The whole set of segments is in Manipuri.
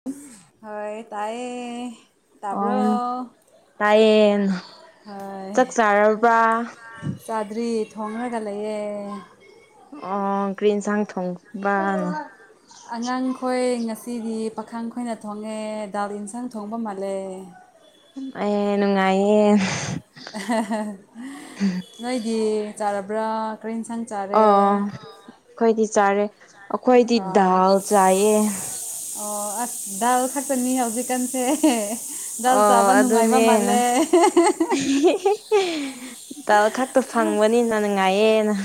[unintelligible] ꯍꯣꯏ ꯇꯥꯏꯌꯦ ꯑꯪ ꯇꯥꯕ꯭ꯔꯣ ꯇꯥꯏꯌꯦꯟ ꯍꯣꯏ ꯆꯥꯛ ꯆꯥꯔꯕ꯭ꯔꯥ ꯆꯥꯗ꯭ꯔꯤ ꯊꯣꯡꯔꯒ ꯂꯩꯌꯦ ꯑꯣ ꯀ꯭ꯔꯤ ꯏꯟꯁꯥꯡ ꯊꯣꯡꯕ ꯑꯉꯥꯡꯈꯣꯏ ꯉꯁꯤꯗꯤ ꯄꯥꯈꯪ ꯈꯣꯏꯅ ꯊꯣꯡꯉꯦ ꯗꯥꯜ ꯏꯟꯁꯥꯡ ꯊꯣꯡꯕ ꯃꯥꯜꯂꯦ ꯑꯩ ꯅꯨꯡꯉꯥꯏꯌꯦ ꯅꯣꯏꯗꯤ ꯆꯔꯥꯕ꯭ꯔꯣ ꯀꯩ ꯏꯟꯁꯥꯡ ꯑꯥ ꯆꯥꯔꯦ ꯑꯩꯈꯣꯏꯗꯤ ꯆꯥꯔꯦ ꯑꯩꯈꯣꯏꯗꯤ ꯑꯣ ꯗꯥꯜ ꯆꯥꯏꯌꯦ ꯑꯣ ꯑ ꯗꯥꯜ ꯈꯥꯛꯇꯅꯤ ꯍꯧꯖꯤꯛꯀꯥꯟꯁꯦ ꯗꯜ ꯑꯣ ꯆꯥꯕ ꯅꯨꯡꯉꯥꯏꯕ ꯑꯗꯨꯅꯦꯅ ꯃꯜꯂꯦ [unintelligible] ꯗꯥꯜ ꯈꯛꯇ ꯐꯪꯕꯅꯤꯅ ꯅꯨꯡꯉꯥꯏꯌꯦꯅ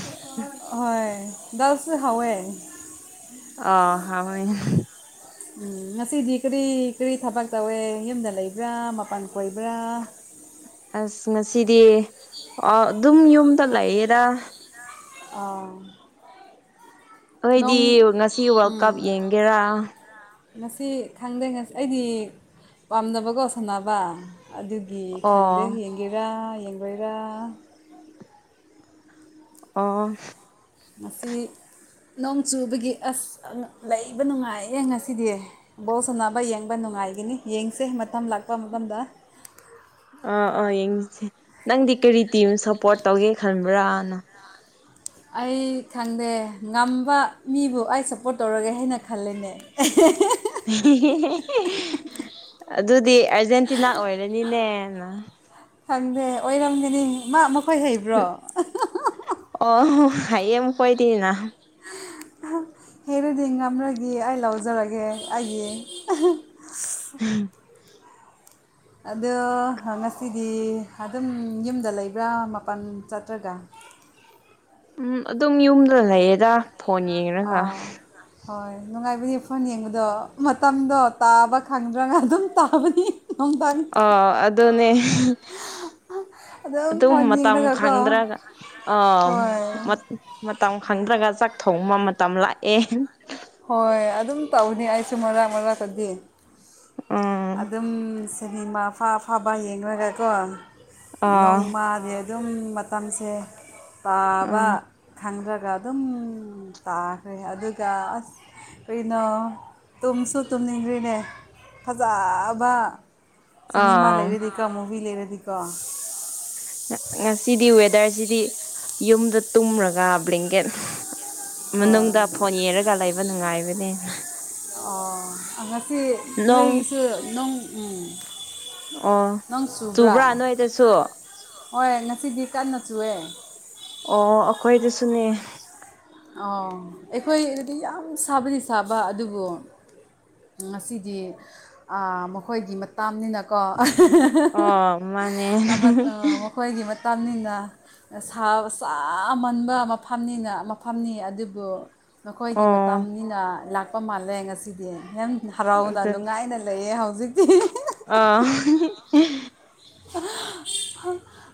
ꯍꯣꯏ ꯗꯥꯜꯁꯨ ꯍꯥꯎꯋꯦ ꯑꯥ ꯍꯥꯎꯋꯦ ꯎꯝ ꯉꯁꯤꯗꯤ ꯀꯔꯤ ꯀꯔꯤ ꯊꯕꯛ ꯇꯧꯋꯦ ꯌꯨꯝꯗ ꯂꯩꯕ꯭ꯔꯥ ꯃꯄꯥꯟ ꯀꯣꯏꯕ꯭ꯔꯥ ꯑꯁ ꯉꯁꯤꯗꯤ ꯑꯗꯨꯝ ꯌꯨꯝꯗ ꯂꯥꯛꯌꯦꯗ ꯑꯥ ꯑꯩꯏꯗꯤ ꯅꯣꯡ ꯉꯁꯤ ꯋꯥꯔꯜ ꯀꯞ ꯎꯝ ꯌꯦꯡꯒꯦꯔꯥ ꯉꯁꯤ ꯈꯪꯗꯦ ꯉꯁꯤ ꯑꯩꯗꯤ ꯄꯥꯝꯅꯕꯒꯣ ꯁꯥꯟꯅꯕ ꯑꯗꯨ ꯒꯤ ꯈꯪꯗꯦ ꯑꯣ ꯌꯦꯡꯒꯦꯔꯥ ꯌꯦꯡꯒꯣꯏꯔꯥ ꯑꯣ ꯑꯣ ꯉꯁꯤ ꯅꯣꯡ ꯆꯨꯕꯒꯤ ꯑꯁ ꯂꯩꯕ ꯅꯨꯡꯉꯥꯏꯌꯦ ꯉꯁꯤꯗꯤ ꯕꯣꯜꯁ ꯁꯟꯅꯕ ꯌꯦꯡꯕ ꯅꯨꯡꯉꯥꯏꯒꯅꯤ ꯌꯦꯡꯁꯦ ꯃꯇꯝ ꯂꯥꯛꯄ ꯃꯇꯝꯗ ꯑꯥ ꯑꯥ ꯌꯦꯡꯁꯦ ꯅꯪꯗꯤ ꯀꯔꯤ ꯇꯤꯝ ꯁꯞꯄꯣꯔꯠ ꯇꯧꯒꯦ ꯈꯟꯕ꯭ꯔꯥꯅ ꯑꯩ ꯈꯪꯗꯦ ꯉꯝꯕ ꯃꯤꯕꯨ ꯑꯩ ꯁꯞꯄꯣꯔꯠ ꯇꯧꯔꯒꯦ ꯍꯥꯏꯅ ꯈꯜꯂꯦꯅꯦ [unintelligible] [inaudible] ꯑꯗꯨꯗꯤ ꯑꯔꯖꯦꯟꯇꯤꯅꯥ ꯑꯣꯏꯔꯅꯤꯅꯦꯅ ꯈꯪꯗꯦ ꯑꯣꯏꯔꯝꯒꯅꯤ ꯃꯥ ꯃꯈꯣꯏ ꯍꯩꯕ꯭ꯔꯣ ꯑꯣ ꯍꯥꯏꯌꯦ ꯃꯀꯣꯏꯗꯤꯅ ꯍꯦꯔꯗꯤ ꯉꯝꯂꯒ ꯑꯩ ꯂꯧꯖꯔꯒꯦ ꯑꯩꯒꯤ [unintelligible] ꯑꯗꯣ ꯉꯁꯤꯗꯤ ꯑꯗꯨꯝ ꯌꯨꯝꯗ ꯂꯩꯕ꯭ꯔꯥ ꯃꯥꯄꯜ ꯆꯠꯇ꯭ꯔꯒ ꯎꯝ ꯑꯗꯨꯝ ꯌꯨꯝꯗ ꯂꯩꯌꯦꯗ ꯐꯣꯟ ꯌꯦꯡꯉꯒ ꯑꯥ ꯍꯣꯏ ꯅꯨꯡꯉꯥꯏꯕꯅꯦ ꯐꯣꯟ ꯌꯦꯡꯕꯗꯣ ꯃꯇꯝꯗꯣ ꯇꯥꯕ ꯈꯪꯗ꯭ꯔꯒ ꯑꯗꯨꯝ ꯇꯥꯕꯅꯤ ꯅꯨꯡꯗꯥꯡ ꯑꯣ ꯑꯗꯨꯅꯦ ꯑꯗꯨꯝ ꯐꯣꯟ ꯃꯇꯝ ꯌꯦꯡꯂꯒꯀꯣ ꯐꯪꯗ꯭ꯔꯒ ꯑ ꯍꯣꯏ ꯃꯇꯝ ꯈꯪꯗ꯭ꯔꯒ ꯆꯥꯛ ꯊꯣꯡꯕ ꯃꯇꯝ ꯂꯥꯛꯑꯦ ꯍꯣꯏ ꯑꯗꯨꯝ ꯇꯧꯅꯤ ꯑꯩꯁꯨ ꯃꯔꯛ ꯃꯔꯥꯛꯀꯗꯤ ꯎꯝ ꯑꯗꯨꯝ ꯁꯦꯅꯤꯃꯥ ꯑꯐ ꯑꯐꯕ ꯌꯦꯡꯂꯒꯀꯣ ꯑꯥ ꯅꯣꯡꯃꯗꯤ ꯑꯗꯨꯝ ꯃꯇꯝꯁꯦ ꯄꯥꯕ ꯑꯥ ꯈꯪꯗ꯭ꯔꯒ ꯑꯗꯨꯝ ꯇꯥꯈ꯭ꯔꯦ ꯑꯗꯨꯒ ꯑꯁ ꯀꯩꯅꯣ ꯇꯨꯝꯁꯨ ꯇꯨꯝꯅꯤꯡꯗ꯭ꯔꯤꯅꯦ ꯐꯖꯕ ꯁꯤꯅꯦꯃꯥ ꯑꯥ ꯂꯩꯔꯗꯤꯀꯣ ꯃꯨꯚꯤ ꯂꯩꯔꯗꯤꯀꯣ ꯉꯁꯤꯗꯤ ꯋꯦꯗꯔꯁꯤꯗꯤ ꯌꯨꯝꯗ ꯇꯨꯝꯔꯒ ꯕ꯭ꯂꯦꯡꯀꯦꯠ ꯍꯣꯏ ꯃꯅꯨꯡꯗ ꯐꯣꯟ ꯌꯦꯔꯒ ꯂꯩꯕ ꯅꯨꯡꯉꯥꯏꯕꯅꯦꯅ ꯑꯣ ꯑ ꯉꯁꯤ ꯅꯣꯡ ꯅꯣꯏꯁꯨ ꯅꯪ ꯎꯝ ꯑꯣ ꯆꯨꯕ꯭ꯔꯥ ꯅꯣꯏꯗꯁꯨ ꯍꯣꯏ ꯉꯁꯤꯗꯤ ꯀꯟꯅ ꯆꯨꯑꯦ ꯑꯣ ꯑꯩꯈꯣꯏꯗꯨꯁꯨꯅꯦ ꯑꯣ ꯑꯩꯈꯣꯏ ꯑꯗꯨꯗꯤ ꯌꯥꯝ ꯁꯥꯕꯗꯤ ꯁꯥꯕ ꯑꯗꯨꯕꯨ ꯉꯁꯤꯗꯤ ꯃꯈꯣꯏꯒꯤ ꯃꯇꯅꯤꯅꯀꯣ [inaudible] ꯑꯣ ꯃꯥꯅꯦ [inaudible] ꯑꯩꯈꯣꯏꯒꯤ ꯃꯇꯝꯅꯤꯅ ꯆꯥꯃꯟꯕ ꯃꯐꯝꯅꯤꯅ ꯐꯝꯅꯤ ꯑꯗꯨꯕꯨ ꯅꯈꯣꯏꯒꯤ ꯑꯣ ꯃꯇꯝꯅꯤꯅ ꯂꯥꯛꯄ ꯃꯥꯜꯂꯦ ꯉꯁꯤꯗꯤ ꯃꯦꯝ ꯍꯔꯥꯎꯅ ꯅꯨꯡꯉꯥꯏꯅ ꯂꯩꯌꯦ ꯍꯧꯖꯤꯛꯇꯤ ꯫ ꯑꯥ꯫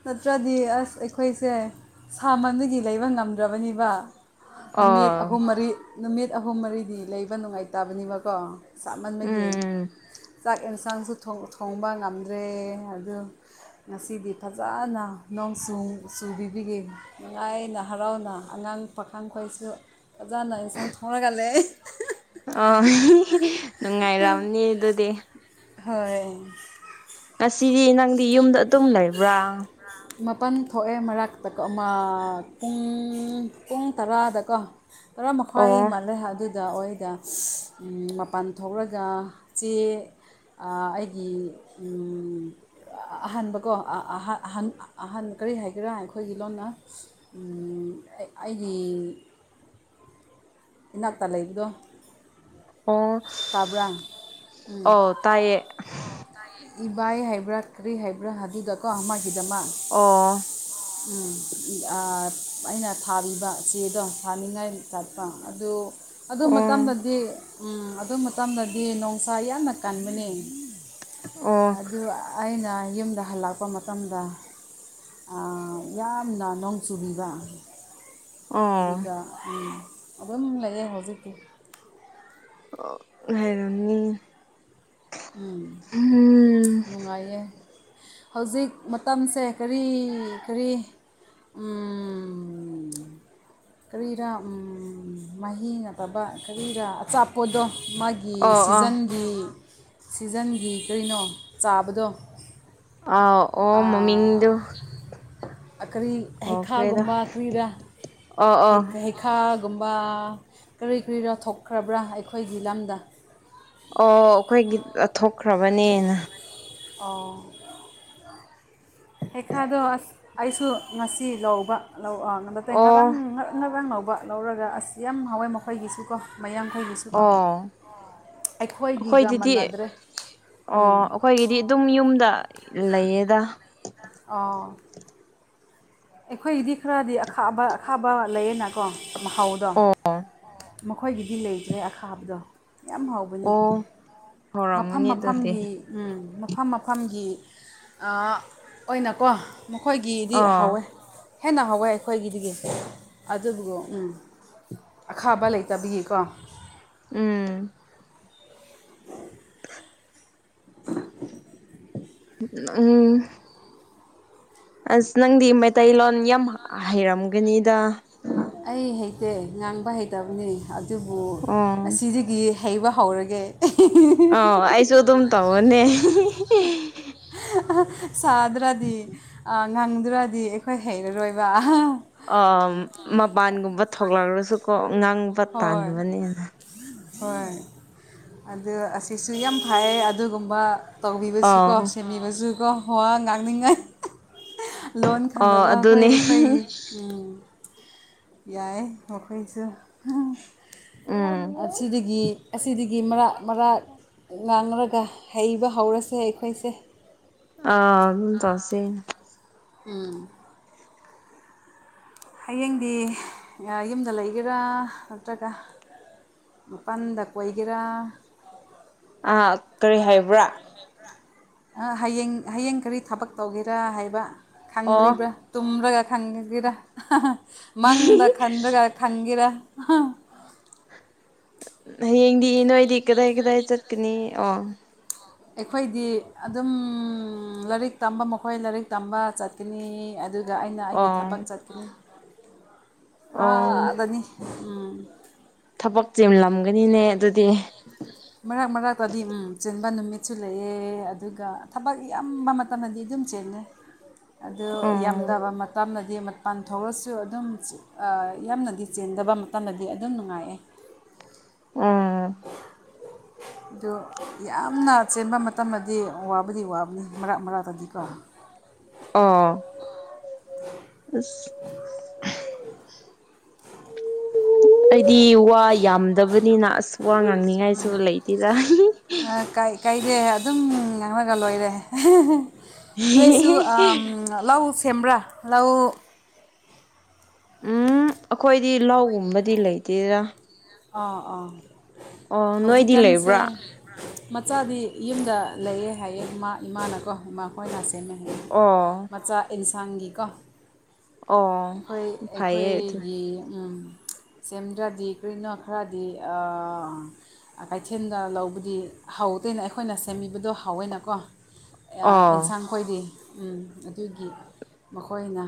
ꯅꯠꯇ꯭ꯔꯥꯗꯤ ꯑꯁ ꯑꯈꯣꯏꯁꯦ꯫ ꯊꯃꯟꯕꯒꯤ ꯂꯩꯕ ꯉꯝꯗ꯭ꯔꯕꯅꯤꯕ ꯅꯨꯃꯤꯠ ꯑꯣ ꯑꯍꯨꯝ ꯃꯔꯤ꯫ ꯅꯨꯃꯤꯠ ꯑꯍꯨꯝ ꯃꯔꯤꯗꯤ ꯂꯩꯕ ꯅꯨꯡꯉꯥꯏꯇꯕꯅꯤꯕꯀꯣ ꯁꯥꯃꯟꯕꯒꯤ꯫ ꯎꯝ ꯆꯥꯛ ꯌꯦꯟꯁꯥꯡꯁꯨ ꯊꯣꯡꯕ ꯉꯝꯗ꯭ꯔꯦ ꯑꯗꯨ꯫ ꯉꯁꯤꯗꯤ ꯐꯖꯅ ꯅꯣꯡꯁꯨ ꯆꯨꯕꯤꯕꯤꯒꯤ꯫ ꯅꯨꯡꯉꯥꯏꯅ ꯍꯔꯥꯎꯅ ꯑꯉꯥꯡ ꯄꯥꯈꯪꯈꫭꯏꯁꯨ꯫ ꯐꯖꯥꯅ ꯏꯟꯁꯥꯡ ꯊꫭꯡꯔꯒ ꯂꯩ꯫ ꯑꯥ ꯅꯨꯡꯉꯥꯏꯔꯝꯅꯤ ꯑꯗꯨꯗꯤ꯫ ꯍꯣꯏ꯫ ꯉꯁꯤꯗꯤ ꯅꯪꯗꯤ ꯌꯨꯝꯗ ꯑꯗꯨꯝ ꯂꯩꯕ꯭ꯔꯥ꯫ ꯃꯥꯄꯜ ꯊꯣꯛꯑꯦ ꯃꯔꯛꯇꯀꯣ ꯑꯃ ꯄꯨꯡ ꯄꯨꯡ ꯇꯔꯥꯗꯀꯣ꯫ ꯇꯥꯔ ꯃꯈꯥꯏ ꯑꯣ ꯃꯥꯜꯂ‌ꯦ ꯑꯗꯨ꯫ ꯗ ꯑꯣꯏꯗ ꯃꯄꯥꯟ ꯊꯣꯛꯔꯒ ꯆꯦ꯫ ꯑꯩꯒꯤ ꯑꯍꯥꯟꯕ꯫ ꯀꯣ ꯑꯍ ꯑꯍꯟ ꯀꯔꯤ ꯍꯥꯏꯒꯦꯔꯥ ꯑꯈꯣꯏꯒꯤ ꯂꯣꯟꯅ꯫ ꯑꯩꯒꯤ꯫ [unintelligible] ꯏꯅꯥꯛꯇ ꯂꯩꯕꯗꫭ꯫ ꯑꯣ ꯎꯝ ꯑꯣ ꯇꯥꯏꯌꯦ꯫ ꯏꯕꯥꯏ ꯍꯥꯏꯕ꯭ꯔꯥ ꯀ꯭ꯔꯤ ꯍꯥꯏꯕ꯭ꯔꯥ ꯑꯥꯗꯨꯗꯀꯣ ꯑꯃꯒꯤꯗꯃꯛ꯫ ꯑꯣ꯫ ꯎꯝ ꯑꯥ ꯑꯩꯅ ꯊꯥꯕꯤꯕ ꯆꯦꯗꯣ ꯊꯥꯅꯤꯡꯉꯥꯏ ꯆꯠꯄ ꯑꯗꯨ꯫ ꯑꯗꯨ ꯑꯣ ꯃꯇꯝꯗꯗꯤ ꯎꯝ ꯑꯗꯨ ꯃꯇꯝꯗꯗꯤ ꯅꫭꯡꯁꯥ ꯌꯥꯝꯅ ꯀꯟꯕꯅꯦ꯫ ꯑꯣ ꯑꯗꯨ ꯑꯩꯅ ꯌꯨꯝꯗ ꯍꯜꯂꯛꯄ ꯃꯇꯝ꯫ ꯃꯇꯝꯗ ꯌꯥꯝꯅ ꯅꯣꯡ ꯆꯨꯕꯤꯕ꯫ ꯑꯣ ꯑꯗꯨꯒ ꯎꯝ ꯑꯗꯨꯝ ꯂꯩꯌꯦ ꯍꯧꯖꯤꯛꯇꯤ꯫ ꯑꯣ ꯍꯩꯔꯝꯅꯤ꯫ ꯎꯝ ꯅꯨꯡꯉꯥꯏꯌ‌‌ꯦ꯫ ꯍꯧꯖꯤꯛ ꯃꯇꯝꯁꯦ ꯀꯔꯤ ꯀꯔꯤ꯫ ꯎꯝ꯫ ꯀꯔꯤꯔ ꯃꯍꯤ ꯅꯠꯇꯕ ꯀꯔꯤꯔꯥ ꯑꯆꯥꯄꯣꯗꯣ ꯃꯥꯒꯤ꯫ ꯒꯤ ꯑꯣ ꯑꯣ ꯁꯤꯖꯟꯒꯤ ꯁꯤꯖꯟꯒꯤ ꯀꯔꯤꯅꯣ ꯆꯥꯕꯗꯣ꯫ ꯑꯥ ꯑꯣ ꯃꯃꯤꯡꯗꯨ꯫ ꯀ꯭ꯔꯤ ꯀꯥꯎꯈ꯭ꯔꯦꯗ ꯍꯩꯈꯥꯒꯨꯝꯕ ꯀ꯭ꯔꯤꯔ ꯑꯣ ꯍꯩ ꯑꯣ ꯍꯩ꯫ ꯈꯥꯒꯨꯝꯕ ꯀꯔꯤ ꯀꯔꯤꯔ ꯊꯣꯛꯈ꯭ꯔꯕ꯭ꯔꯥ ꯑꯩꯈꯣꯏꯒꯤ ꯂꯝꯗ꯫ ꯑꯣ ꯑꯈꯣꯏꯒꯤ ꯊꯣꯛꯈ꯭ꯔꯕꯅꯦꯅ꯫ ꯑꯣ꯫ ꯍꯩꯈꯥꯗꯣ ꯑꯁ ꯑꯩꯁꯨ ꯉꯁꯤ ꯂꯧꯕ꯫ ꯅꯇ‌ꯦ ꯉꯔꯥꯡ ꯑꯣ ꯉꯔꯥꯡ ꯉꯔꯥꯡ ꯂꯧꯕ ꯂꯧꯔꯒ ꯑꯁ ꯌꯥꯝ ꯍꯥꯎꯑ‌ꯦ ꯃꯈꯣꯏꯒꯤꯁꯨ ꯀꯣ ꯃꯌꯥꯡꯈꫭꯏꯒꯤ꯫ ꯀꯣ ꯑꯣ ꯑꯈꯣꯏꯒꯤꯒ ꯃꯥꯟꯅꯗ꯭ꯔꯦ ꯎꯝ꯫ ꯑꯈꯣꯏꯒꯤꯗꯤ ꯑꯗꯨꯝ ꯌꯨꯝꯗ ꯂꯩꯌꯦꯗ꯫ ꯑꯥ꯫ ꯑꯈꯣꯏꯒꯤꯗꯤ ꯈꯔꯗꯤ ꯑꯈꯥꯕ ꯑꯈꯥꯕ ꯂꯩꯌꯦꯅꯀꯣ ꯃꯍꯥꯎꯗꯣ꯫ ꯑꯣ ꯃꯈꯣꯏꯒꯤꯗꯤ ꯂꯩꯇ꯭ꯔꯦ ꯑꯈꯥꯕꯗꯣ ꯌꯥꯝ ꯍꯥꯎꯕ꯫ ꯕꯅꯤ ꯑꯣ ꯃꯐꯝ ꯍꯧꯔꯝꯃꯅꯤ ꯑꯗꯨꯗꯤ ꯃꯐꯝꯒꯤ꯫ ꯎꯝ ꯃꯐꯝ ꯃꯐꯝꯒꯤ ꯑꯥ ꯑꯣꯏꯅꯀꯣ꯫ ꯃꯈꯣꯏꯒꯤꯗꯤ ꯑꯥ ꯍꯧꯎꯋꯦ꯫ ꯍꯦꯟꯅ ꯍꯥꯎꯋꯦ ꯑꯈꯣꯏꯒꯤꯗꯒꯤ ꯑꯗꯨꯕꯨ ꯎꯝ ꯑꯈꯥꯕ ꯂꯩ꯫ ꯆꯥꯕꯤꯌꯦꯀꯣ ꯎꯝ [inaudible] ꯎꯝ ꯑꯁ ꯅꯪꯗꯤ ꯃꯩꯇꯩꯂꯣꯟ ꯌꯥꯝ ꯍꯩꯔꯝꯒꯅꯤꯗ ꯑꯩ ꯍꯩꯇꯦ ꯉꯥꯡꯕ ꯍꯩꯇꯕꯅꯤ ꯑꯗꯨꯕꯨ ꯑꯣ ꯑꯁꯤꯖꯤꯒꯤ ꯍꯩꯕ ꯍꯧꯔꯒꯦ [inaudible] ꯑ ꯑꯩꯁꯨ ꯑꯗꯨꯝ ꯇꯧꯋꯅꯦ ꯁꯥꯗ꯭ꯔꯗꯤ ꯑ ꯉꯪꯗ꯭ꯔꯗꯤ ꯑꯩꯈꯣꯏ ꯍꯩꯔꯔꯣꯏꯕ [unintelligible] ꯑꯥꯝ ꯃꯄꯥꯟꯒꯨꯝꯕ ꯊꯣꯛꯂꯛꯔꯁꯨꯀꯣ ꯑꯥꯡ ꯍꯣꯏ ꯍꯣꯏ ꯑꯗꯨ ꯑꯁꯤꯁꯨ ꯌꯥꯝ ꯐꯩꯌꯦ ꯑꯗꯨꯒꯨꯝꯕ ꯇꯧꯕꯤꯕꯁꯨꯀꯣ ꯑꯥꯎ ꯁꯦꯝꯕꯤꯕꯁꯨꯀꯣ ꯋꯥ ꯉꯥꯡꯅꯤꯡꯉꯥꯏ ꯂꯣꯟ ꯑꯣ ꯈꯪꯗꯕ ꯑꯗꯨꯅꯦ ꯑꯩꯈꯣꯏ ꯑꯩꯈꯣꯏ ꯌꯥꯏ ꯃꯈꯣꯏꯁꯨ ꯎꯝ ꯑꯁꯤꯗꯒꯤ ꯑꯁꯤꯗꯒꯤ ꯃꯔꯛ ꯃꯔꯥꯛ ꯉꯥꯡꯔꯒ ꯍꯩꯕ ꯍꯧꯔꯁꯦ ꯑꯩꯈꯣꯏꯁꯦ ꯑꯥ ꯑꯗꯨ ꯇꯧꯁꯦ ꯎꯝ ꯍꯌꯦꯡꯗꯤ ꯌꯨꯝꯗ ꯂꯩꯒꯦꯔꯥ ꯅꯠꯇ꯭ꯔꯒ ꯃꯄꯜꯗ ꯀꯣꯏꯒꯦꯔꯥ ꯑ ꯀꯔꯤ ꯍꯥꯏꯕ꯭ꯔꯥ ꯍꯌꯦꯡ ꯍꯌꯦꯡ ꯀꯔꯤ ꯊꯕꯛ ꯇꯧꯒꯦꯔꯥ ꯍꯥꯏꯕ ꯑꯣ ꯈꯪꯗ꯭ꯔꯤꯕ꯭ꯔꯥ ꯇꯨꯝꯔꯒ ꯈꯪꯔꯒꯦꯔ ꯃꯪꯗ ꯈꯟꯔꯒ ꯈꯪꯒꯦꯔ ꯍꯌꯦꯡꯗꯤ ꯏ ꯅꯣꯏꯗꯤ ꯀꯗꯥꯏ ꯀꯗꯥꯏ ꯆꯠꯀꯅꯤ ꯑꯣ ꯑꯩꯈꯣꯏꯗꯤ ꯑꯗꯨꯝ ꯂꯥꯏꯔꯤꯛ ꯇꯝꯕ ꯃꯈꯣꯏ ꯂꯥꯏꯔꯤꯛ ꯇꯝꯕ ꯆꯠꯀꯅꯤ ꯑꯗꯨ ꯒ ꯑꯩꯅ ꯑꯩꯒꯤ ꯊꯕꯛ ꯑꯣ ꯆꯠꯀꯅꯤ ꯑꯣ ꯑꯗꯅꯤ ꯎꯝ ꯊꯕꯛ ꯆꯤꯂꯝꯒꯅꯤꯅꯦ ꯑꯗꯨꯗꯤ ꯃꯔꯛ ꯃꯔꯛꯇꯗꯤ ꯎꯝ ꯆꯤꯟꯕ ꯅꯨꯃꯤꯠꯁꯨ ꯂꯩꯑꯦ ꯑꯗꯨꯒ ꯊꯕꯛ ꯏꯌꯥꯝꯕ ꯃꯇꯝ [unintelligible] ꯑꯗꯨꯝ ꯆꯤꯜꯂꯦ꯫ [inaudible] ꯑꯗꯨ ꯑꯣ ꯌꯥꯝꯝꯗꯕ ꯃꯇꯝꯅꯗꯤ ꯄꯥꯟ ꯊꯣꯛꯂꯁꯨ ꯑꯗꯨꯝ ꯑ ꯌꯥꯝꯅꯗꯤ ꯆꯦꯟꯗꯕ ꯃꯇꯝꯗꯗꯤ ꯑꯗꯨꯝ ꯅꯨꯡꯉꯥꯏꯑꯦ ꯎꯝ ꯑꯗꯨ ꯌꯥꯝꯅ ꯆꯦꯟꯕ ꯃꯇꯝꯗꯗꯤ ꯋꯥꯕꯨꯗꯤ ꯋꯥꯕꯅꯤ ꯃꯔꯥꯛ ꯃꯔꯥꯛꯇꯗꯤꯀꯣ ꯑꯣ ꯑꯁ [inaudible] ꯑꯩꯗꯤ ꯋꯥ ꯌꯥꯝꯗꯕꯅꯤꯅ ꯑꯁ ꯋꯥ ꯉꯥꯡꯅꯤꯡꯉꯥꯏꯁꯨ ꯂꯩꯇꯦꯗ ꯀꯩ [unintelligible] ꯑꯗꯨꯝ ꯉꯥꯡꯉꯒ ꯂꯣꯏꯔꯦ ꯅꯣꯏꯁꯨ ꯑꯝ ꯂꯧ ꯁꯦꯝꯕ꯭ꯔꯥ ꯂꯧ ꯎꯝ ꯑꯩꯈꯣꯏꯗꯤ ꯂꯧꯒꯨꯝꯕꯗꯤ ꯂꯩꯇꯦꯗ ꯑꯥ ꯑꯥ ꯑꯣ ꯅꯣꯏꯗꯤ ꯂꯩꯕ꯭ꯔꯥ ꯃꯆꯥꯗꯤ ꯌꯨꯝꯗ ꯂꯩꯌꯦ ꯍꯥꯏꯌꯦ ꯏꯃꯥ ꯏꯃꯥꯅꯀꯣ ꯏꯃꯥ ꯈꯣꯏꯅ ꯁꯦꯝꯃꯦ ꯍꯥꯏꯌꯦ ꯑꯣ ꯃꯆꯥ ꯏꯟꯁꯥꯡꯒꯤꯀꯣ ꯑꯣ ꯑꯩꯈꯣꯏ ꯐꯩꯌꯦ ꯑꯗꯨꯗꯤ ꯑꯩꯈꯣꯏꯒꯤ ꯎꯝ ꯁꯦꯝꯗ꯭ꯔꯗꯤ ꯔꯤꯅꯣ ꯈꯔꯗꯤ ꯑꯥ ꯀꯩꯊꯦꯜꯗ ꯂꯧꯕꯗꯤ ꯍꯥꯎꯗꯦꯅ ꯑꯩꯈꯣꯏꯅ ꯁꯦꯝꯕꯤꯕꯗꯣ ꯍꯥꯎꯋꯦꯅꯀꯣ ꯑ ꯑꯣ ꯁꯥꯡ ꯑꯩꯣꯏꯗꯤ ꯎ ꯑꯗꯨꯒꯤ ꯃꯈꯣꯏꯅ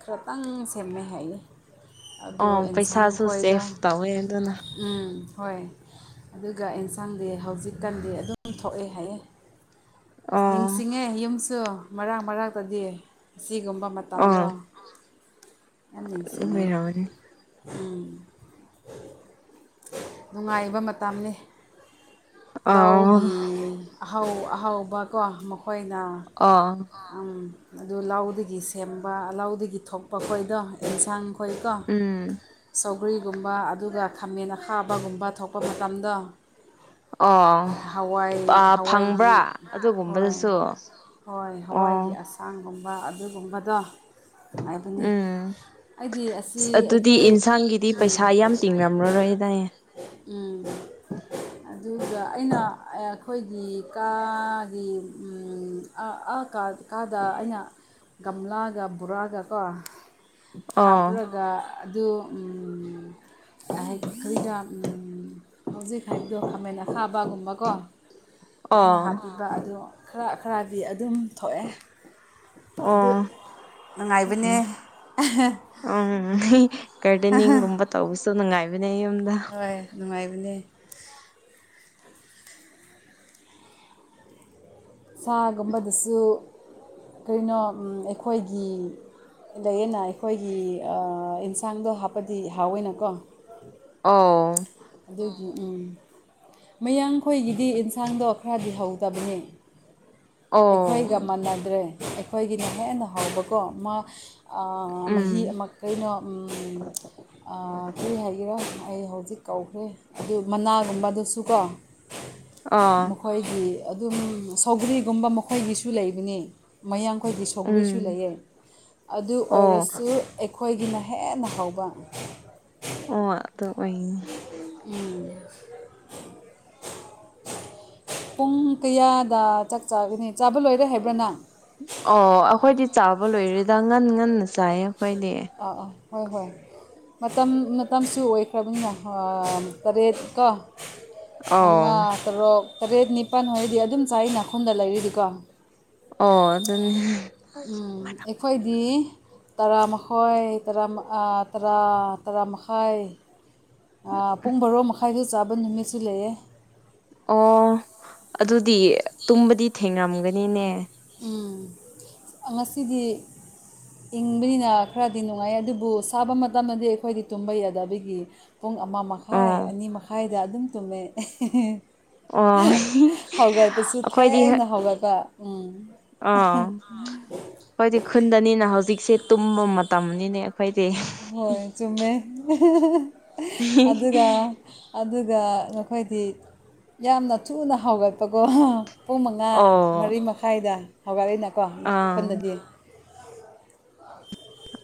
ꯈꯔꯇꯪ ꯁꯦꯝꯃꯦꯩ ꯍꯥꯏꯌꯦ ꯑꯗꯨ ꯑꯦꯟꯁꯥꯡ ꯈꯣꯏꯒ ꯍ ꯑꯗꯨꯅ ꯎꯝ ꯍꯣꯏ ꯑꯗꯨꯒ ꯑꯦꯟꯁꯥꯡꯗꯤ ꯍꯧꯖꯤꯛꯀꯥꯟꯗꯤ ꯑꯗꯨꯝ ꯊꯣꯛꯑꯦ ꯍꯥꯏꯌꯦ ꯑꯁ ꯑꯣ ꯅꯤꯡꯁꯤꯡꯉꯦ ꯌꯨꯝꯁꯨ ꯃꯔꯛ ꯃꯔꯥꯛꯛꯇꯗꯤ ꯑꯁꯤꯒꯨꯝꯕ ꯑꯣ ꯃꯇꯝꯗꯣ ꯌꯥꯝ ꯅꯤꯡꯁꯤꯡꯉꯦ ꯑꯣꯏꯔꯝꯒꯅꯤ ꯎꯝ ꯅꯨꯡꯉꯥꯏꯕ ꯃꯇꯝꯅꯤ ꯑꯣ ꯂꯧꯒꯤ ꯑꯍꯧ ꯑꯍꯥꯎꯕ ꯀꯣ ꯃꯈꯣꯏꯅ ꯑꯣ ꯑꯗꯨ ꯂꯧꯗꯒꯤ ꯁꯦꯝꯕ ꯂꯧꯗꯒꯤ ꯊꯣꯛꯄ ꯈꯣꯏꯗꯣ ꯑꯦꯟꯁꯥꯡ ꯑꯩꯈꯣꯏꯀꯣ ꯎꯝ ꯆꯧꯒ꯭ꯔꯤꯒꯨꯝꯕ ꯑꯗꯨꯒ ꯈꯥꯃꯦꯟ ꯑ ꯈꯥꯕꯒꯨꯝꯕ ꯊꯣꯛꯄ ꯃꯇꯝꯗ ꯑꯣ ꯐꯪꯕ꯭ꯔꯥ ꯍꯋꯥꯏꯒꯤ ꯍꯣꯏ ꯑꯗꯨꯒꯨꯝꯕꯗꯨꯁꯨ ꯍꯣꯏ ꯍꯋꯥꯏꯒꯤ ꯑꯁꯥꯡꯒꯨꯝꯕ ꯑꯗꯨꯒꯨꯝꯕꯗꯣ ꯅꯨꯡꯉꯥꯏꯕꯅꯤ ꯎꯝ ꯑꯩꯗꯤ ꯑꯁꯤ ꯑꯩꯈꯣꯏ ꯐꯤꯇꯤꯡ ꯔꯥ꯭ꯔ ꯔꯍꯤꯗꯑ ꯎꯝ [unintelligible] ꯑꯗꯨꯒ ꯑꯩꯅ ꯑꯩꯈꯣꯏꯒꯤ ꯀꯥꯒꯤ ꯑꯥ ꯀꯥꯗ ꯑꯩꯅ ꯒꯝꯂꯥꯒ ꯕꯣꯔꯥꯒ ꯀꯣ ꯑꯣ ꯍꯥꯞꯔꯒ ꯑꯗꯨ ꯆ ꯍꯦꯛ ꯀꯔꯤꯗꯥ ꯍꯧꯖꯤꯛ ꯍꯥꯏꯕꯗꯣ ꯈꯥꯃꯦꯟ ꯑꯈꯥꯕꯒꯨꯝꯕꯀꯣ ꯑꯩꯅ ꯑꯣ ꯍꯥꯞꯄꯤꯕ ꯑꯗꯨ ꯈꯔ ꯈꯔꯗꯤ ꯑꯗꯨꯝ ꯊꯣꯛꯑꯦ ꯑꯗꯨ ꯑꯣ ꯅꯨꯡꯉꯥꯏꯕꯅꯦ ꯎ ꯔꯗꯅꯤꯡꯒꯨꯝꯕ ꯇꯧꯕꯁꯨ ꯅꯨꯡꯉꯥꯏꯕꯅꯦ ꯑꯩ ꯌꯨꯝꯗ ꯍꯣꯏ ꯅꯨꯡꯉꯥꯏꯕꯅꯤ ꯎꯝ ꯁꯥꯒꯨꯝꯕꯗꯁꯨ ꯀꯔꯤꯅꯣ ꯑꯩꯈꯣꯏꯒꯤ ꯂꯩꯌꯦꯅ ꯑꯩꯈꯣꯏꯒꯤ ꯑꯦꯟꯁꯥꯡꯗꯣ ꯍꯥꯞꯄꯗꯤ ꯍꯥꯎꯋꯦꯅꯀꯣ ꯑꯣ ꯑꯗꯨꯒꯤ ꯎꯝ ꯃꯌꯥꯡꯈꯣꯏꯒꯤꯗꯤ ꯌꯦꯟꯁꯥꯡꯗꯣ ꯈꯔꯗꯤ ꯍꯧꯗꯕꯅꯦ ꯑꯩꯈꯣꯏꯒ ꯑꯣ ꯃꯅꯗ꯭ꯔꯦ ꯑꯩꯈꯣꯏꯒꯤꯅ ꯍꯦꯟꯅ ꯍꯕꯀꯣ ꯃꯥ ꯎꯝ ꯃꯍꯤ ꯑꯃ ꯀꯩꯅꯣ ꯀꯔꯤ ꯍꯥꯏꯒꯦꯔꯦ ꯑꯩ ꯍꯧꯖꯤꯛ ꯀꯧꯈ꯭ꯔꯦ ꯑꯗꯨ ꯃꯅꯥꯒꯨꯝꯕꯗꯨꯁꯨ ꯀꯣ ꯑꯥ ꯑꯩꯈꯣꯏꯒꯤ ꯑꯗꯨꯝ ꯁꯧꯒ꯭ꯔꯤ ꯨꯒꯨꯝꯕ ꯃꯈꯣꯏꯒꯤꯁꯨ ꯂꯩꯕꯅꯤ ꯃꯌꯥꯡꯈꯣꯏꯒꯤ ꯁꯧꯒ꯭ꯔꯤꯁꯨ ꯎꯝ ꯂꯩꯌꯦ꯫ ꯑꯗꯨ ꯑꯣ ꯑꯣꯏꯔꯁꯨ ꯑꯩꯈꯣꯏꯒꯤꯅ ꯍꯦꯟꯅ ꯍꯥꯎꯕ꯫ [unintelligible] ꯎꯝ ꯄꯨꯡ ꯀꯌꯥꯗ ꯆꯥꯛ ꯆꯥꯒꯅꯤ ꯆꯥꯕ ꯂꯣꯏꯔꯦ ꯍꯥꯏꯕ꯭ꯔꯥꯅꯪ? ꯑꯣ ꯑꯈꯣꯏꯗꯤ ꯆꯥꯕ ꯂꯣꯏꯔꯦꯗ ꯉꯟ - ꯉꯟꯅ ꯆꯥꯏꯌꯦ ꯑꯈꯣꯏꯗꯤ꯫ ꯑꯥ ꯑꯥ ꯍꯣꯏ ꯍꯣꯏ꯫ ꯃꯇꯝ ꯃꯇꯝꯁꯨ ꯑꯣꯏꯈ꯭ꯔꯕꯅꯤꯅ ꯇꯔꯦꯠ ꯀꯣ ꯫ ꯑꯣ ꯃꯉꯥ ꯇꯔꯨꯛ ꯇꯔꯦꯠ ꯅꯤꯄꯥꯟ ꯍꯥꯏꯔꯗꯤ ꯑꯗꯨꯝ ꯆꯥꯏꯅ ꯈꯨꯟꯗ ꯂꯩꯔꯤꯗꯤꯀꯣ꯫ ꯑꯣ ꯑꯗꯨꯅꯤ ꯎꯝ ꯑꯩꯈꯣꯏꯒꯤ ꯇꯔꯥꯃꯈꯣꯏ ꯇꯔꯥꯝ ꯑꯥ ꯇꯔꯥ ꯇꯔꯥꯃꯈꯥꯏ ꯑ ꯄꯨꯡ ꯕꯔꯣ ꯃꯈꯥꯏꯗ ꯆꯥꯕ ꯅꯨꯃꯤꯠꯁꯨ ꯂꯩꯑꯦ꯫ ꯑꯣ ꯑꯗꯨꯗꯤ ꯇꯨꯝꯕꯗꯤ ꯊꯦꯡꯔꯝꯒꯅꯤꯅꯦ꯫ ꯎꯝ ꯉꯁꯤꯗꯤ ꯏꯪꯕꯅꯤꯅ ꯈꯔꯗꯤ ꯅꯨꯡꯉꯥꯏ ꯑꯗꯨꯕꯨ ꯁꯥꯕ ꯃꯇꯝꯗꯗꯤ ꯑꯩꯈꯣꯏꯗꯤ ꯇꯨꯝꯕ ꯌꯥꯗꯕꯒꯤ ꯄꯨꯡ ꯑꯃ ꯃꯈꯥꯏ ꯑꯣ ꯑꯅꯤ ꯃꯈꯥꯏꯗ ꯑꯗꯨꯝ ꯇꯨꯝꯃꯦ꯫ ꯑꯣ ꯑꯩꯈꯣꯏꯗꯤ ꯍꯧꯒꯠꯛꯄꯁꯨ ꯊꯦꯡꯅ ꯍꯧꯒꯠꯄ ꯎꯝ꯫ ꯑꯥ ꯑꯩꯈꯣꯏꯗꯤ ꯈꯨꯟꯗꯅꯤꯅ ꯍꯧꯖꯤꯛꯁꯦ ꯇꯨꯝꯕ ꯃꯇꯝꯅꯤꯅꯦ ꯑꯩꯈꯣꯏꯗꯤ꯫ ꯍꯣꯏ ꯆꯨꯝꯃꯦ ꯑꯗꯨꯒ ꯑꯗꯨꯒ ꯅꯈꯣꯏꯗꯤ ꯌꯥꯝꯅ ꯊꯨꯅ ꯍꯥꯎꯒꯠꯄꯀꯣ꯫ ꯄꯨꯡ ꯃꯉꯥ ꯃꯔꯤ ꯑꯣ ꯃꯈꯥꯏꯗ ꯍꯧꯒꯠꯂꯤꯅꯀꯣ ꯑꯥ ꯈꯨꯟꯗꯗꯤ꯫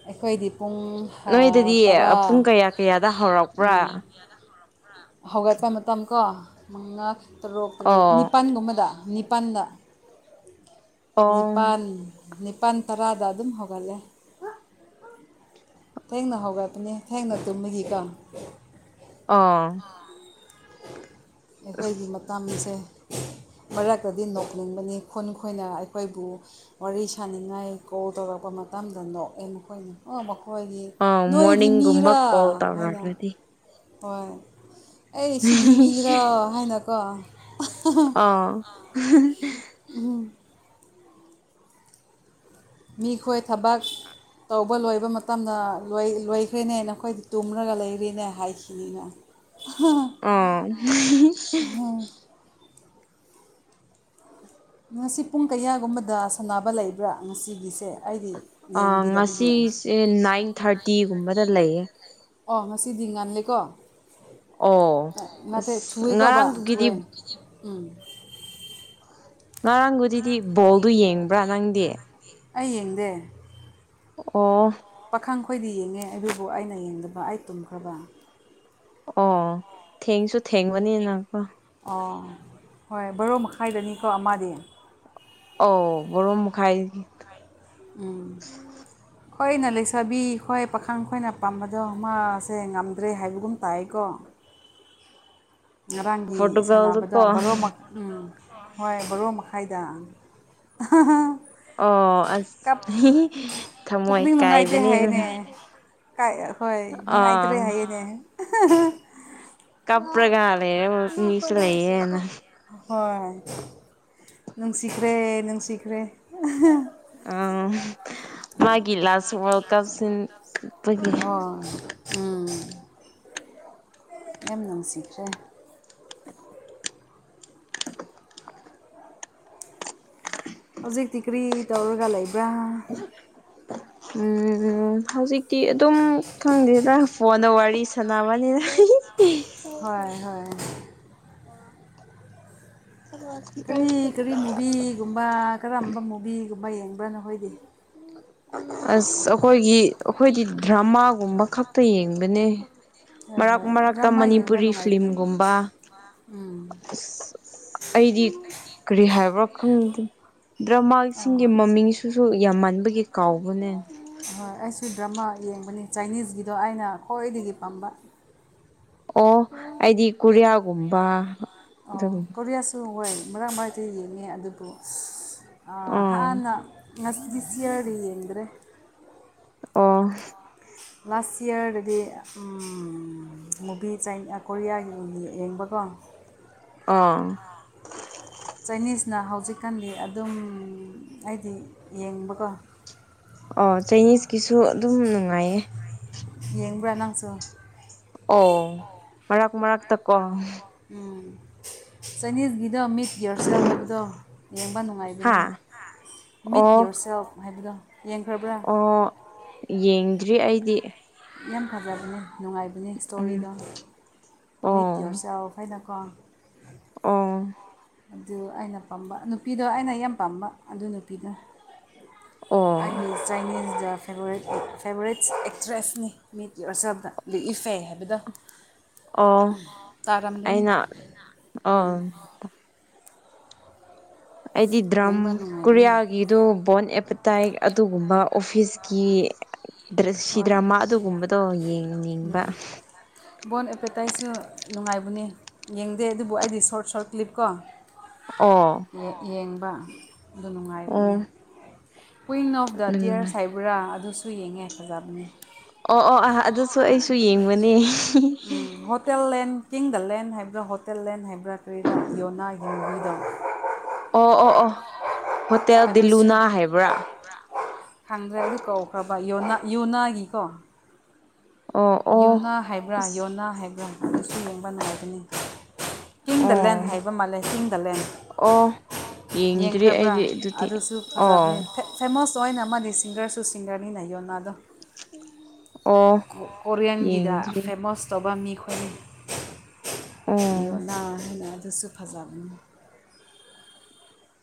ꯑꯩꯈꯣꯏꯗꯤ ꯄꯨꯡ ꯑ ꯅꯣꯏꯗꯗꯤ ꯇꯔꯥ ꯄꯨꯡ ꯀꯌꯥ ꯀꯌꯥꯗ ꯎꯝ ꯍꯧꯔꯛꯄ꯭ꯔꯥ ꯍꯧꯒꯠꯄ ꯃꯇꯝ ꯀꯣ ꯃꯉꯥ ꯇꯔꯨꯛ ꯇꯔꯦꯠ ꯑꯣ ꯅꯤꯄꯥꯝꯒꯨꯝꯕꯗ ꯅꯤꯄꯥꯟꯗ꯫ ꯑꯣ ꯅꯤꯄꯥꯟ ꯅꯤꯄꯥꯟ ꯇꯔꯥꯗ ꯑꯗꯨꯝ ꯍꯧꯒꯠꯂꯦ꯫ ꯊꯦꯡꯅ ꯍꯧꯒꯠꯄꯅꯤ ꯊꯦꯡꯅ ꯇꯨꯝꯕꯒꯤꯀꯣ ꯫ ꯑꯥ ꯑꯩꯈꯣꯏꯒꯤ ꯃꯇꯝꯁꯦ ꯃꯔꯛꯇꯗꯤ ꯅꯣꯛꯅꯤꯡꯕꯅꯤ ꯈꯨꯟ ꯈꯣꯏꯅ ꯑꯩꯈꯣꯏꯕꯨ ꯋꯥꯔꯤ ꯁꯅꯤꯡꯉꯥꯏ ꯀꯣꯜ ꯇꯧꯔꯛꯄ ꯃꯇꯝꯗ ꯅꯣꯛꯑꯦ ꯃꯈꯣꯏꯅ꯫ ꯑꯣ ꯃꯈꯣꯏꯒꯤ ꯑꯥ ꯅꯣꯏꯗꯤ ꯃꯣꯔꯅꯤꯡꯒꯨꯝꯕ ꯃꯤꯔꯥ ꯀꯣꯜ ꯍꯥꯏꯅ ꯇꯧꯔꯛꯔꯗꯤ ꯍꯣꯏ ꯑꯩ ꯁꯤꯗꯤ ꯃꯤꯔꯣ ꯍꯥꯏꯅꯀꯣ꯫ ꯑꯥ ꯎꯝ ꯃꯤꯈꯣꯏ ꯊꯕꯛ ꯇꯧꯕ ꯂꯣꯏꯕ ꯃꯇꯝꯗ ꯂꯣꯏ ꯂꯣꯏꯈ꯭ꯔꯦꯅꯦ ꯅꯈꯣꯏꯗꯤ ꯇꯨꯝꯔꯒ ꯂꯩꯈꯔꯦꯅꯦ ꯍꯥꯏꯈꯤꯅꯤꯅ꯫ ꯑ ꯉꯁꯤ ꯄꯨꯡ ꯀꯌꯥꯒꯨꯝꯕꯗ ꯁꯥꯟꯅꯕ ꯂꯩꯕ꯭ꯔꯥ ꯉꯁꯤꯒꯤꯁꯦ? ꯑꯩꯗꯤ ꯑ ꯌꯦꯡꯕꯤꯗꯕꯒꯤ ꯉꯁꯤꯁꯦ ꯅꯥꯏꯟ ꯊꯥꯔꯇꯤꯒꯨꯝꯕꯗ ꯂꯩꯌꯦ꯫ ꯑꯣ ꯉꯁꯤꯗꯤ ꯉꯜꯂꯦꯀꯣ ꯑꯣ ꯅꯠꯇꯦ ꯑꯁ ꯊꯨꯑꯦꯀꯣ ꯕ ꯉꯔꯥꯡꯗꯨꯒꯤꯗꯤ ꯊꯨꯑꯦ꯫ ꯎꯝ ꯉꯔꯥꯡꯕꯨꯗꯤꯗꯤ ꯕꯣꯜꯗꯨ ꯌꯦꯡꯕ꯭ꯔꯥ ꯅꯪꯗꯤ? ꯑꯩ ꯌꯦꯡꯗꯦ꯫ ꯑꯣ ꯄꯥꯈꯪ ꯈꯣꯏꯗꯤ ꯌꯦꯡꯉꯦ ꯑꯗꯨꯕꯨ ꯑꯩꯅ ꯌꯦꯡꯗꯕ ꯑꯩ ꯇꯨꯝꯈ꯭ꯔꯕ꯫ ꯑꯣ ꯊꯦꯡꯁꯨ ꯊꯦꯡꯕꯅꯤꯅꯀꯣ꯫ ꯑꯣ ꯍꯣꯏ ꯕꯔꯣ ꯃꯈꯥꯏꯗꯅꯤꯀꯣ ꯑꯃꯗꯤ ꯑꯧ ꯕꯔꯣ ꯃꯈꯥꯏ ꯎꯝ [unintelligible] ꯑꯩꯈꯣꯏꯅ ꯂꯩꯁꯥꯕꯤ ꯑꯩꯣꯏ ꯄꯥꯈꯪ ꯈꯣꯏꯅ ꯄꯥꯝꯕꯗꯣ ꯃꯥꯁꯦ ꯉꯝꯗ꯭ꯔꯦ ꯍꯥꯏꯕꯒꯨꯝ ꯇꯥꯏꯀꯣ ꯉꯔꯥꯡꯒꯤ ꯁꯥꯟꯅꯕꯗꯣ ꯄꯣꯔꯇꯨꯒꯜꯗꯨꯀꯣ ꯃꯔꯣꯛꯃꯛ ꯎꯝ ꯍꯣꯏ ꯕꯣꯔꯣ ꯃꯈꯥꯏꯗ ꯑꯣ ꯑꯁ ꯀꯞ ꯊꯃꯣꯏ ꯄꯨꯛꯅꯤꯡ ꯅꯨꯡꯉꯥꯏꯇꯦ ꯀꯥꯏꯕꯅꯤ ꯍꯥꯏꯅꯦ ꯀꯥꯏ ꯍꯣꯏ ꯅꯨꯡꯉꯥꯏꯇ꯭ꯔꯦ ꯍꯥꯏꯌꯦꯅꯦ ꯀꯥꯞꯄꯔꯒ ꯂꯩꯦ ꯃꯤꯁ ꯂꯩꯌꯦꯅ ꯍꯣꯏ ꯅꯨꯡꯁꯤꯈ꯭ꯔꯦ ꯅꯨꯡꯁꯤꯈ꯭ꯔꯦ ꯑꯝ ꯃꯥꯒꯤꯂ ꯑꯣ ꯎꯝ ꯌꯥꯝ ꯅꯨꯡꯁꯤꯈ꯭ꯔꯦ ꯍꯧꯖꯤꯛꯇꯤ ꯀ꯭ꯔꯤ ꯇꯧꯔꯒ ꯂꯩꯕ꯭ꯔꯥ ꯎꯝ ꯍꯧꯖꯤꯛꯇꯤ ꯑꯗꯨꯝ ꯈꯪꯗꯦꯗ ꯐꯣꯟꯗ ꯋꯥꯔꯤ ꯁ ꯁꯅꯥꯕꯅꯤꯅ ꯍꯣꯏ ꯍꯣꯏ ꯑꯣ ꯎꯝ ꯀꯔꯤ ꯀꯔꯤ ꯃꯨꯚꯤꯒꯨꯝꯕ ꯀꯔꯝꯕ ꯃꯨꯚꯤꯒꯨꯝꯕ ꯌꯦꯡꯕ꯭ꯔꯥꯅꯣꯈꯣꯏꯗꯤ ꯑꯁ ꯑꯩꯈꯣꯏꯒꯤ ꯑꯩꯈꯣꯏꯗꯤ ꯗ꯭ꯔꯃꯥꯒꯨꯝꯕ ꯈꯛ ꯇ ꯌꯦꯡꯕꯅꯦ ꯍꯣꯏ ꯃꯔꯛ ꯍꯣꯏ ꯃꯔꯛꯇ ꯗ꯭ꯔꯃꯥ ꯌꯦꯡꯕ ꯃꯅꯤꯄꯨꯔꯤ ꯅꯨꯡꯉꯥꯏꯕꯅꯤ ꯐꯤꯤꯂꯝꯒꯨꯝꯕ ꯎꯝ ꯑꯁ ꯑꯩꯗꯤ ꯀꯔꯤ ꯍꯥꯏꯕ꯭ꯔꯥ ꯈꯪ ꯗ꯭ꯔꯃꯥꯁꯤꯡꯒꯤ ꯃꯃꯤꯡ ꯑꯗꯨꯨꯁꯨ ꯌꯥꯝ ꯃꯥꯟꯕꯒꯤ ꯀꯥꯎꯕꯅꯦ ꯑꯍꯣꯏ ꯑꯩꯁꯨ ꯗ꯭ꯔꯃꯥ ꯌꯦꯡꯕꯅꯤ ꯆꯥꯏꯅꯤꯁꯀꯤꯗꯣ ꯑꯩꯅ ꯈ꯭ꯋꯥꯏꯗꯒꯤ ꯄꯥꯝꯕ ꯑꯣ ꯑꯩꯗꯤ ꯀꯨꯔꯤꯌꯥꯒꯨꯝꯕ ꯑꯗꯨꯝ ꯋꯥꯏ ꯃꯔꯥꯡ ꯃꯔꯥꯏꯥꯏꯛꯇ ꯌꯦꯡꯉꯦ ꯑꯗꯨꯕꯨ ꯑꯥ ꯍꯥꯟꯅ ꯉꯁꯁꯤꯑꯔꯤ ꯌꯦꯟꯦ ꯑꯣ ꯂꯥꯁ ꯌꯌꯥꯔꯗꯗꯤ ꯃꯨꯚꯤ ꯀꯣꯔꯤꯌꯥꯒꯤ ꯌꯦꯡꯕꯀꯣ ꯑꯥ ꯆꯥꯏꯅꯤꯁꯅ ꯍꯧꯖꯤꯛꯀꯥꯟꯗꯤ ꯑꯗꯨꯝ ꯑꯩꯗꯤ ꯌꯦꯡꯕꯀꯣ ꯑꯣ ꯆꯥꯏꯅꯤꯁꯀꯤꯁꯨ ꯑꯗꯨꯝ ꯅꯨꯡꯉꯥꯏꯌꯦ ꯌꯦꯡꯕ꯭ꯔꯥ ꯅꯪꯁꯨ ꯑꯣ ꯃꯔꯛ ꯃꯔꯛꯇꯀꯣ ꯎꯝ ꯆꯅꯤꯁꯒꯤꯗ ꯃꯤꯠ ꯍꯌꯔꯁꯇꯞ ꯍꯥꯏꯕꯗꯣ ꯌꯦꯡꯕ ꯅꯨꯡꯉꯥꯏ ꯍꯥꯏꯕꯅꯤ ꯍꯥ ꯃꯤꯠ ꯑꯣ ꯌꯣꯔ ꯁꯦꯜꯞ ꯍꯥꯏꯕꯗꯣ ꯌꯦꯡꯈ꯭ꯔꯕ꯭ꯔꯥ ꯑꯣ ꯌꯦꯡꯗ꯭ꯔꯤ ꯑꯩꯗꯤ ꯌꯥꯝ ꯐꯖꯕꯅꯦ ꯅꯨꯡꯉꯥꯏꯕꯅꯦ ꯎꯝ ꯏꯁꯇꯣꯔꯤꯗꯣ ꯃꯤꯠ ꯑꯣ ꯌꯣꯔꯁꯨ ꯌꯥ ꯍꯥꯏꯅꯀꯣ ꯑ ꯑꯗꯨ ꯑꯩꯅ ꯄꯥꯝꯕ ꯅꯨꯄꯤꯗꯣ ꯑꯩꯅ ꯌꯥꯝ ꯄꯥꯝꯕ ꯑꯗꯨ ꯅꯨꯄꯤꯗꯣ ꯑꯣ ꯑꯩꯒꯤ ꯆꯥꯏꯅꯤꯖꯗ ꯐꯦ ꯐꯦꯕꯣꯔꯦꯠꯁ ꯑꯦꯛꯇ꯭ꯔꯦꯁꯅꯤ ꯃꯤꯠꯀꯤ ꯑꯣꯔꯆꯕꯗ ꯂꯤꯛꯏ ꯐꯩ ꯍꯥꯏꯕꯗ ꯑꯣ ꯇꯔꯝꯗꯒꯤꯅꯤ ꯑꯩꯅ ꯎꯝ ꯑꯥ ꯑꯩꯗꯤ ꯗ꯭ꯔꯝ ꯌꯦꯡꯕ ꯅꯨꯡꯉꯥꯏꯕꯅꯤ ꯀꯔꯤꯌꯥꯒꯤ ꯑꯗꯨ ꯕꯣꯟ ꯑꯦꯄꯇꯥꯏ ꯑꯗꯨꯒꯨꯝꯕ ꯑꯣꯐꯤꯁꯀꯤ ꯁꯤ ꯍꯣꯏ ꯗ꯭ꯔꯃꯥ ꯑꯗꯨꯒꯨꯝꯕꯗꯣ ꯌꯦꯡꯅꯤꯡꯕ ꯕꯣꯟ ꯑꯦꯄꯦꯇꯥꯏꯁꯁꯨ ꯅꯨꯡꯉꯥꯏꯕꯅꯤ ꯌꯦꯡꯗꯦ ꯑꯗꯨꯕꯨ ꯑꯩꯗꯤ ꯁꯣꯔꯠ ꯁꯣꯔꯠ ꯀ꯭ꯂꯤꯞ ꯀꯣ ꯑꯣ ꯌꯦꯡꯕ ꯑꯗꯨ ꯑꯣ ꯅꯨꯡꯉꯥꯏꯕꯅꯤ ꯀꯨꯋꯤꯟ ꯑꯣꯐ ꯗ ꯎꯝ ꯇꯤꯌꯔ ꯍꯥꯏꯕꯔꯥ ꯑꯗꯨꯁꯨ ꯌꯦꯡꯉꯦ ꯐꯖꯕꯅꯤ ꯑꯣ ꯑꯣ ꯑꯥꯥ ꯑꯗꯨꯁꯨ ꯑꯩꯁꯨ ꯌꯦꯡꯕꯅꯦ ꯍꯣꯇꯦꯜꯂꯦꯟ ꯀꯤꯡ ꯗ ꯂꯦꯟ ꯍꯥꯏꯕ꯭ꯔꯥ ꯍꯣꯇꯦꯜ ꯂꯦꯟ ꯍꯥꯏꯕ꯭ꯔꯥ ꯀꯔꯤꯔꯥ ꯌꯣꯅꯥ ꯍꯡꯕꯤꯗꯧ ꯑꯣ ꯑꯣ ꯑꯣ ꯍꯣꯇꯦꯜ ꯗꯤꯂꯨꯅꯥ ꯑꯗꯨꯁꯨ ꯍꯥꯏꯕ꯭ꯔꯥ ꯈꯪꯗ꯭ꯔꯦ ꯑꯗꯨ ꯀꯧꯈ꯭ꯔꯕ ꯌꯣꯅꯥ ꯌꯣꯅꯥꯒꯤꯀꯣ ꯑꯣ ꯑꯣ ꯌꯨꯅꯥ ꯍꯥꯏꯕ꯭ꯔꯥ ꯑꯁ ꯌꯣꯅꯥ ꯍꯥꯏꯕ꯭ꯔꯥ ꯑꯗꯨꯁꯨ ꯌꯦꯡꯕ ꯅꯨꯡꯉꯥꯏꯒꯅꯤ ꯀꯤꯡ ꯗꯂꯦꯟ ꯑꯣ ꯍꯥꯏꯕ ꯃꯥꯜꯂꯦ ꯀꯤꯡ ꯗꯂꯦꯟ ꯑꯣ ꯌꯦꯡꯗ꯭ꯔꯤ ꯌꯦꯡꯈ꯭ꯔꯕ꯭ꯔꯥ ꯑꯩꯗꯤ ꯑꯗꯨꯗꯤ ꯑꯗꯨꯁꯨ ꯐꯖꯕꯅꯦ ꯑꯣ ꯐ ꯐꯦꯃꯁ ꯑꯣꯏꯅ ꯑꯃꯗꯤ ꯁꯤꯡꯒꯔꯁꯨ ꯁꯤꯡꯒꯔꯅꯤꯅ ꯌꯣꯟꯅ ꯗꯣ ꯑꯣ ꯀꯣꯔꯦꯟꯒꯤꯗ ꯌꯦꯡꯗ꯭ꯔꯤ ꯐꯦꯃꯁ ꯇꯧꯕ ꯃꯤꯈꯣꯏꯅꯤ ꯑꯣ ꯌꯣꯅꯥ ꯍꯥꯏꯅ ꯑꯗꯨꯁꯨ ꯐꯖꯥ ꯕꯅꯤ